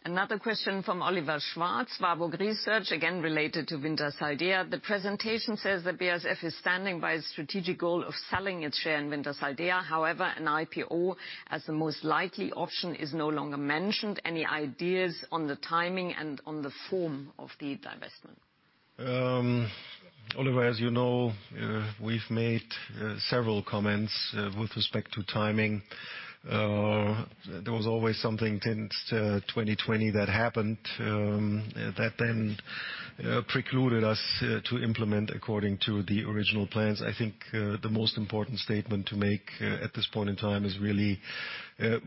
Another question from Oliver Schwarz, Warburg Research, again related to Wintershall Dea. The presentation says that BASF is standing by its strategic goal of selling its share in Wintershall Dea. An IPO as the most likely option is no longer mentioned. Any ideas on the timing and on the form of the divestment? Oliver, as you know, we've made several comments with respect to timing. There was always something since 2020 that happened, that then precluded us to implement according to the original plans. I think the most important statement to make at this point in time is really,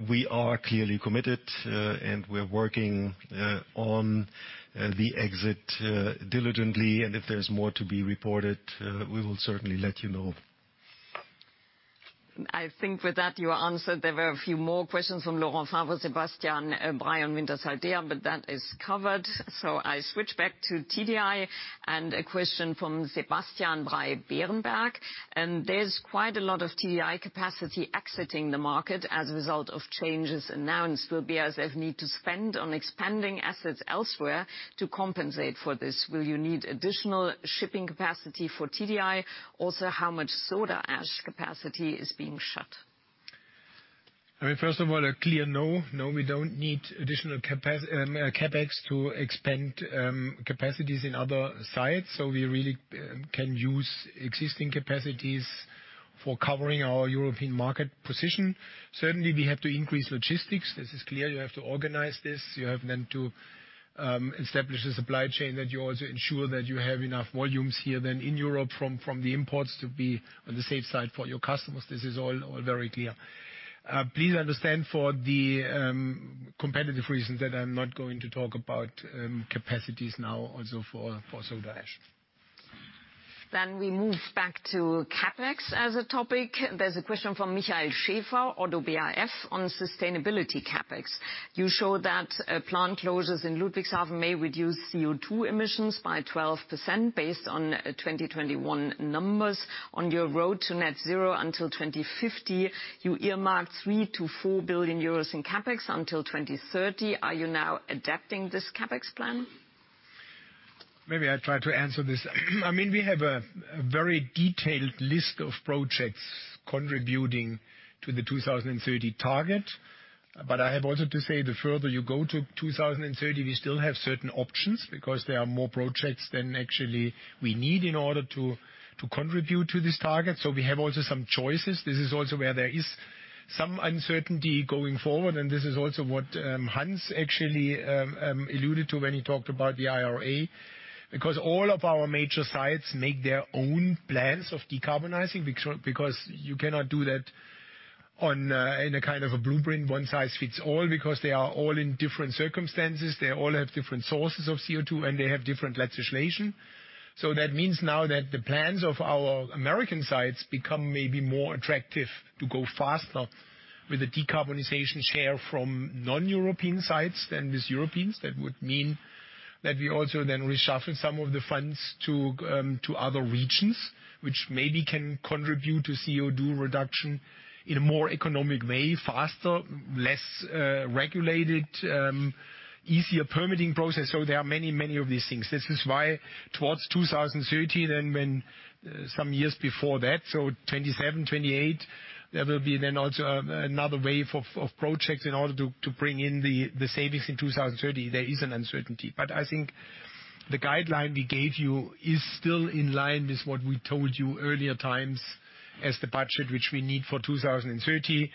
we are clearly committed, and we're working on the exit diligently. If there's more to be reported, we will certainly let you know. I think with that you answered. There were a few more questions from Laurent Favre, Sebastian, Bray, Wintershall Dea, that is covered. I switch back to TDI and a question from Sebastian by Berenberg. There's quite a lot of TDI capacity exiting the market as a result of changes announced. Will BASF need to spend on expanding assets elsewhere to compensate for this? Will you need additional shipping capacity for TDI? Also, how much soda ash capacity is being shut? I mean, first of all, a clear no. No, we don't need additional CapEx to expand capacities in other sites. We really can use existing capacities for covering our European market position. Certainly, we have to increase logistics. This is clear. You have to organize this. You have then to establish a supply chain that you also ensure that you have enough volumes here than in Europe from the imports to be on the safe side for your customers. This is all very clear. Please understand for the competitive reasons that I'm not going to talk about capacities now also for soda ash. We move back to CapEx as a topic. There's a question from Michael Schaefer, ODDO BHF, on sustainability CapEx. You show that plant closures in Ludwigshafen may reduce CO2 emissions by 12% based on 2021 numbers. On your road to net zero until 2050, you earmarked 3 billion-4 billion euros in CapEx until 2030. Are you now adapting this CapEx plan? Maybe I try to answer this. I mean, we have a very detailed list of projects contributing to the 2030 target. I have also to say, the further you go to 2030, we still have certain options because there are more projects than actually we need in order to contribute to this target. We have also some choices. This is also where there is some uncertainty going forward, and this is also what Hans actually alluded to when he talked about the IRA. All of our major sites make their own plans of decarbonizing, because you cannot do that in a a blueprint one-size-fits-all because they are all in different circumstances. They all have different sources of CO2, and they have different legislation. That means now that the plans of our American sites become maybe more attractive to go faster with the decarbonization share from non-European sites than these Europeans. That would mean that we also then reshuffle some of the funds to other regions, which maybe can contribute to CO2 reduction in a more economic way, faster, less regulated, easier permitting process. There are many, many of these things. This is why towards 2030 and when some years before that, 2027, 2028, there will be then also another wave of projects in order to bring in the savings in 2030. There is an uncertainty. I think the guideline we gave you is still in line with what we told you earlier times as the budget which we need for 2030.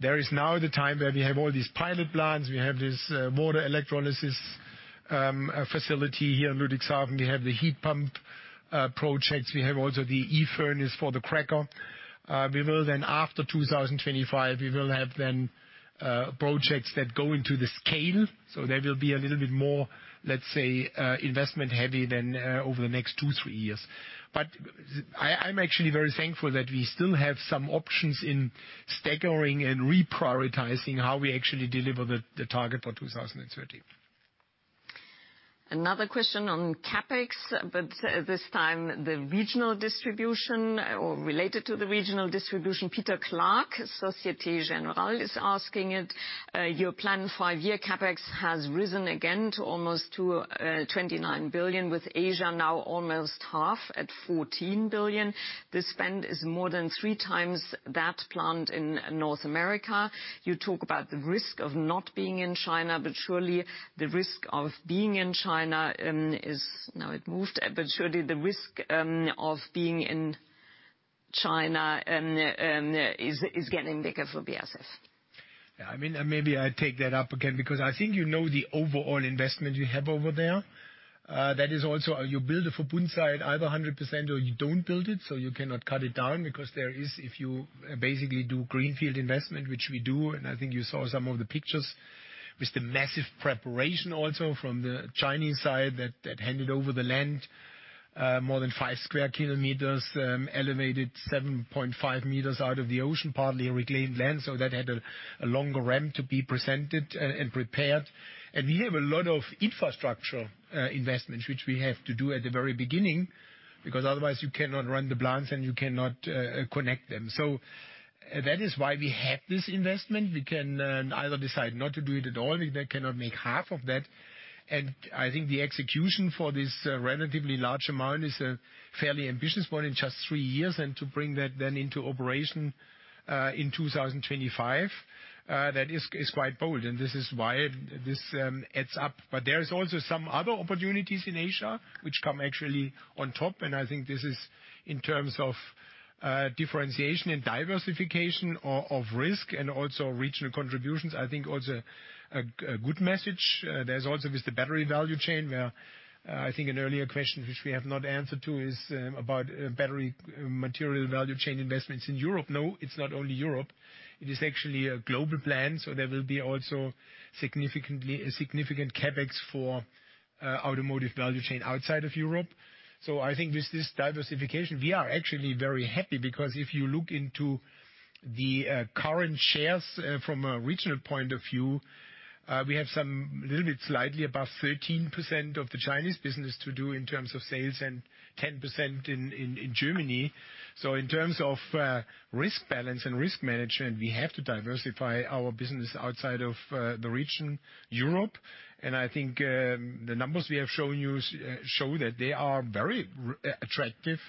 There is now the time where we have all these pilot plans. We have this water electrolysis facility here in Ludwigshafen. We have the heat pump projects. We have also the eFurnace for the cracker. We will then after 2025, we will have then projects that go into the scale, so there will be a little bit more, let's say, investment heavy than over the next 2, 3 years. I'm actually very thankful that we still have some options in staggering and reprioritizing how we actually deliver the target for 2030. Another question on CapEx, this time the regional distribution or related to the regional distribution. Peter Clark, Société Générale, is asking it. Your planned five-year CapEx has risen again to almost 29 billion, with Asia now almost half at 14 billion. The spend is more than three times that planned in North America. You talk about the risk of not being in China, surely the risk of being in China is getting bigger for BASF. Yeah, I mean, maybe I take that up again because I think you know the overall investment you have over there. That is also, you build a Verbund site either 100% or you don't build it, so you cannot cut it down because there is, if you basically do greenfield investment, which we do, and I think you saw some of the pictures with the massive preparation also from the Chinese side that handed over the land, more than 5 square kilometers, elevated 7.5 meters out of the ocean, partly a reclaimed land, so that had a longer ramp to be presented and prepared. We have a lot of infrastructure investments which we have to do at the very beginning because otherwise you cannot run the plants, and you cannot connect them. That is why we have this investment. We can either decide not to do it at all. We cannot make half of that. I think the execution for this relatively large amount is a fairly ambitious one in just 3 years, and to bring that into operation in 2025, that is quite bold. This is why this adds up. There is also some other opportunities in Asia which come actually on top, and I think this is in terms of differentiation and diversification of risk and also regional contributions, I think also a good message. There's also with the battery value chain where I think an earlier question which we have not answered to is about battery material value chain investments in Europe. No, it's not only Europe. It is actually a global plan. There will be also a significant CapEx for automotive value chain outside of Europe. I think with this diversification, we are actually very happy because if you look into the current shares from a regional point of view, we have some little bit slightly above 13% of the Chinese business to do in terms of sales and 10% in Germany. In terms of risk balance and risk management, we have to diversify our business outside of the region Europe. I think the numbers we have shown you show that they are very attractive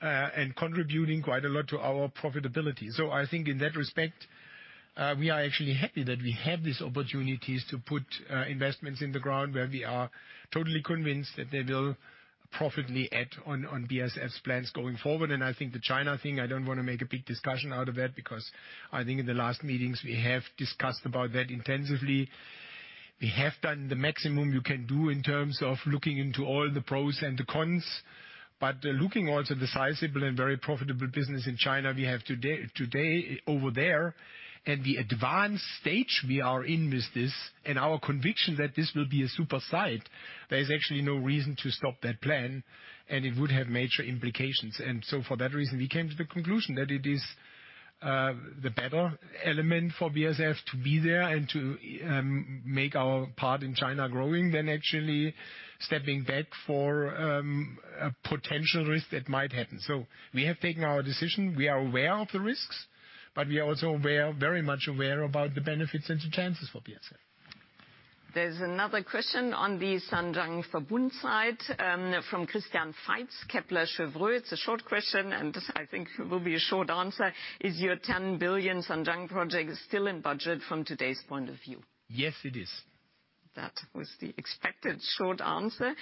and contributing quite a lot to our profitability. I think in that respect, we are actually happy that we have these opportunities to put investments in the ground where we are totally convinced that they will profitably add on BASF's plans going forward. I think the China thing, I don't want to make a big discussion out of that because I think in the last meetings we have discussed about that intensively. We have done the maximum you can do in terms of looking into all the pros and the cons. Looking also at the sizable and very profitable business in China we have today over there, and the advanced stage we are in with this, and our conviction that this will be a super site, there's actually no reason to stop that plan, and it would have major implications. For that reason, we came to the conclusion that it is the better element for BASF to be there and to make our part in China growing than actually stepping back for a potential risk that might happen. We have taken our decision. We are aware of the risks, we are also aware, very much aware about the benefits and the chances for BASF. There's another question on the Zhanjiang Verbund site, from Christian Faitz, Kepler Cheuvreux. It's a short question, and I think it will be a short answer. "Is your 10 billion Zhanjiang project still in budget from today's point of view? Yes, it is. That was the expected short answer.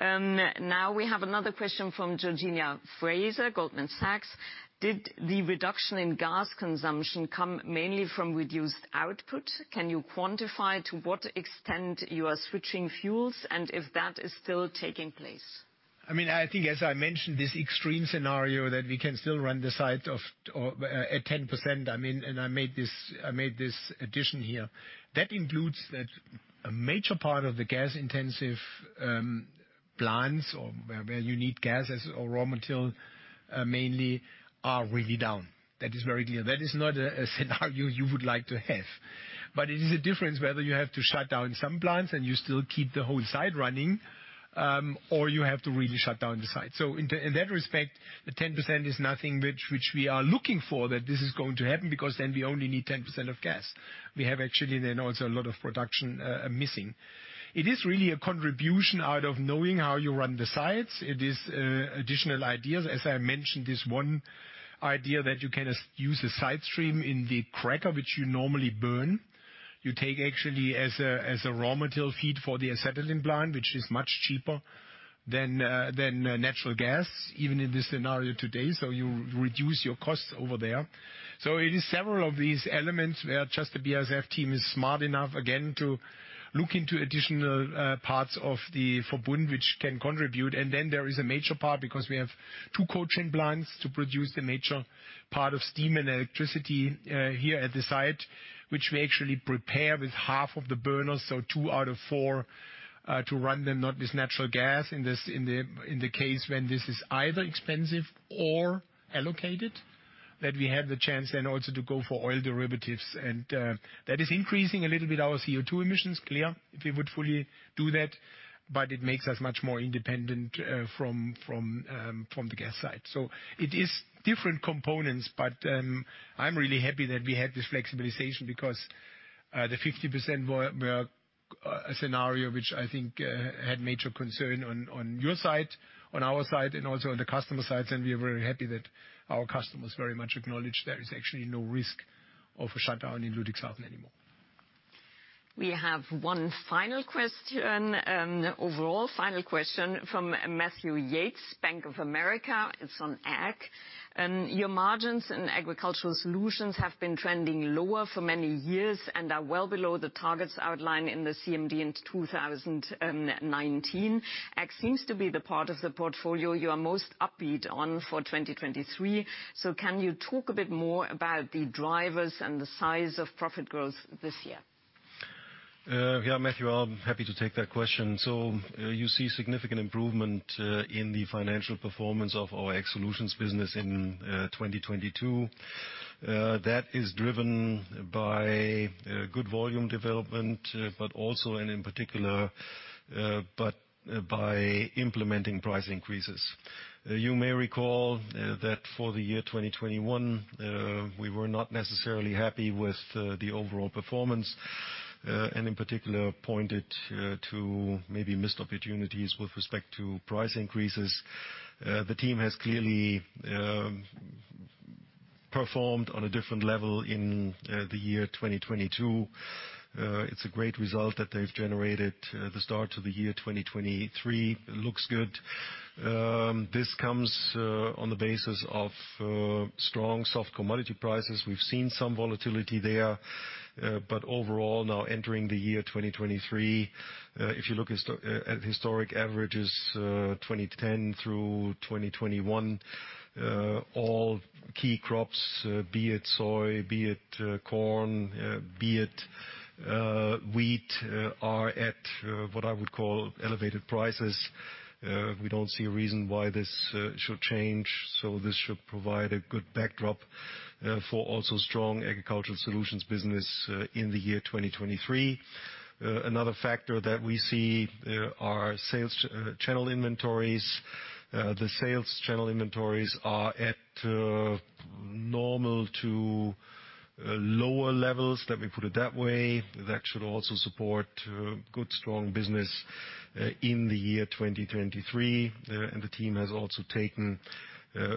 Now we have another question from Georgina Fraser, Goldman Sachs. "Did the reduction in gas consumption come mainly from reduced output? Can you quantify to what extent you are switching fuels and if that is still taking place? I mean, I think as I mentioned, this extreme scenario that we can still run the site of, or at 10%, I mean, I made this addition here. That includes that a major part of the gas-intensive plants or where you need gas as a raw material, mainly are really down. That is very clear. That is not a scenario you would like to have. It is a difference whether you have to shut down some plants and you still keep the whole site running, or you have to really shut down the site. In that respect, the 10% is nothing which we are looking for that this is going to happen, because then we only need 10% of gas. We have actually then also a lot of production missing. It is really a contribution out of knowing how you run the sites. It is additional ideas. As I mentioned, this one idea that you can use a side stream in the cracker which you normally burn. You take actually as a raw material feed for the acetylene plant, which is much cheaper than natural gas, even in this scenario today. You reduce your costs over there. It is several of these elements where just the BASF team is smart enough, again, to look into additional parts of the Verbund which can contribute. There is a major part because we have two cogeneration plants to produce a major part of steam and electricity here at the site, which we actually prepare with half of the burners, so two out of four, to run them not with natural gas in the case when this is either expensive or allocated, that we have the chance then also to go for oil derivatives. That is increasing a little bit our CO2 emissions, clear, if we would fully do that, but it makes us much more independent from the gas side. It is different components, but, I'm really happy that we had this flexibilization because the 50% were a scenario which I think had major concern on your side, on our side, and also on the customer sides, and we are very happy that our customers very much acknowledge there is actually no risk of a shutdown in Ludwigshafen anymore. We have one final question, overall final question from Matthew Yates, Bank of America. It's on Ag. Your margins in Agricultural Solutions have been trending lower for many years and are well below the targets outlined in the CMD in 2019. Ag seems to be the part of the portfolio you are most upbeat on for 2023. Can you talk a bit more about the drivers and the size of profit growth this year? Yeah, Matthew, I'm happy to take that question. You see significant improvement in the financial performance of our Ag Solutions business in 2022. That is driven by good volume development, but also and in particular by implementing price increases. You may recall that for the year 2021, we were not necessarily happy with the overall performance and in particular pointed to maybe missed opportunities with respect to price increases. The team has clearly performed on a different level in the year 2022. It's a great result that they've generated. The start to the year 2023 looks good. This comes on the basis of strong soft commodity prices. We've seen some volatility there. Overall now entering the year 2023, if you look at historic averages, 2010 through 2021, all key crops, be it soy, be it corn, be it wheat, are at what I would call elevated prices. We don't see a reason why this should change. This should provide a good backdrop for also strong Agricultural Solutions business in the year 2023. Another factor that we see are sales channel inventories. The sales channel inventories are at normal to lower levels, let me put it that way. That should also support good, strong business in the year 2023. The team has also taken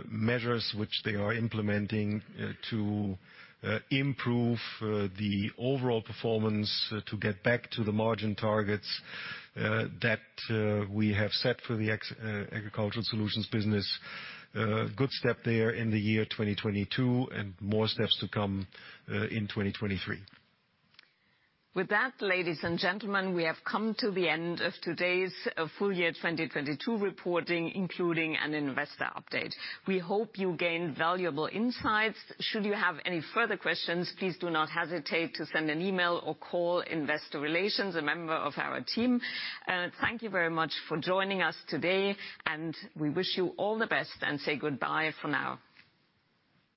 measures which they are implementing to improve the overall performance to get back to the margin targets that we have set for the ex- Agricultural Solutions business. Good step there in the year 2022, and more steps to come in 2023. With that, ladies and gentlemen, we have come to the end of today's full year 2022 reporting, including an investor update. We hope you gained valuable insights. Should you have any further questions, please do not hesitate to send an email or call investor relations, a member of our team. Thank you very much for joining us today, and we wish you all the best and say goodbye for now.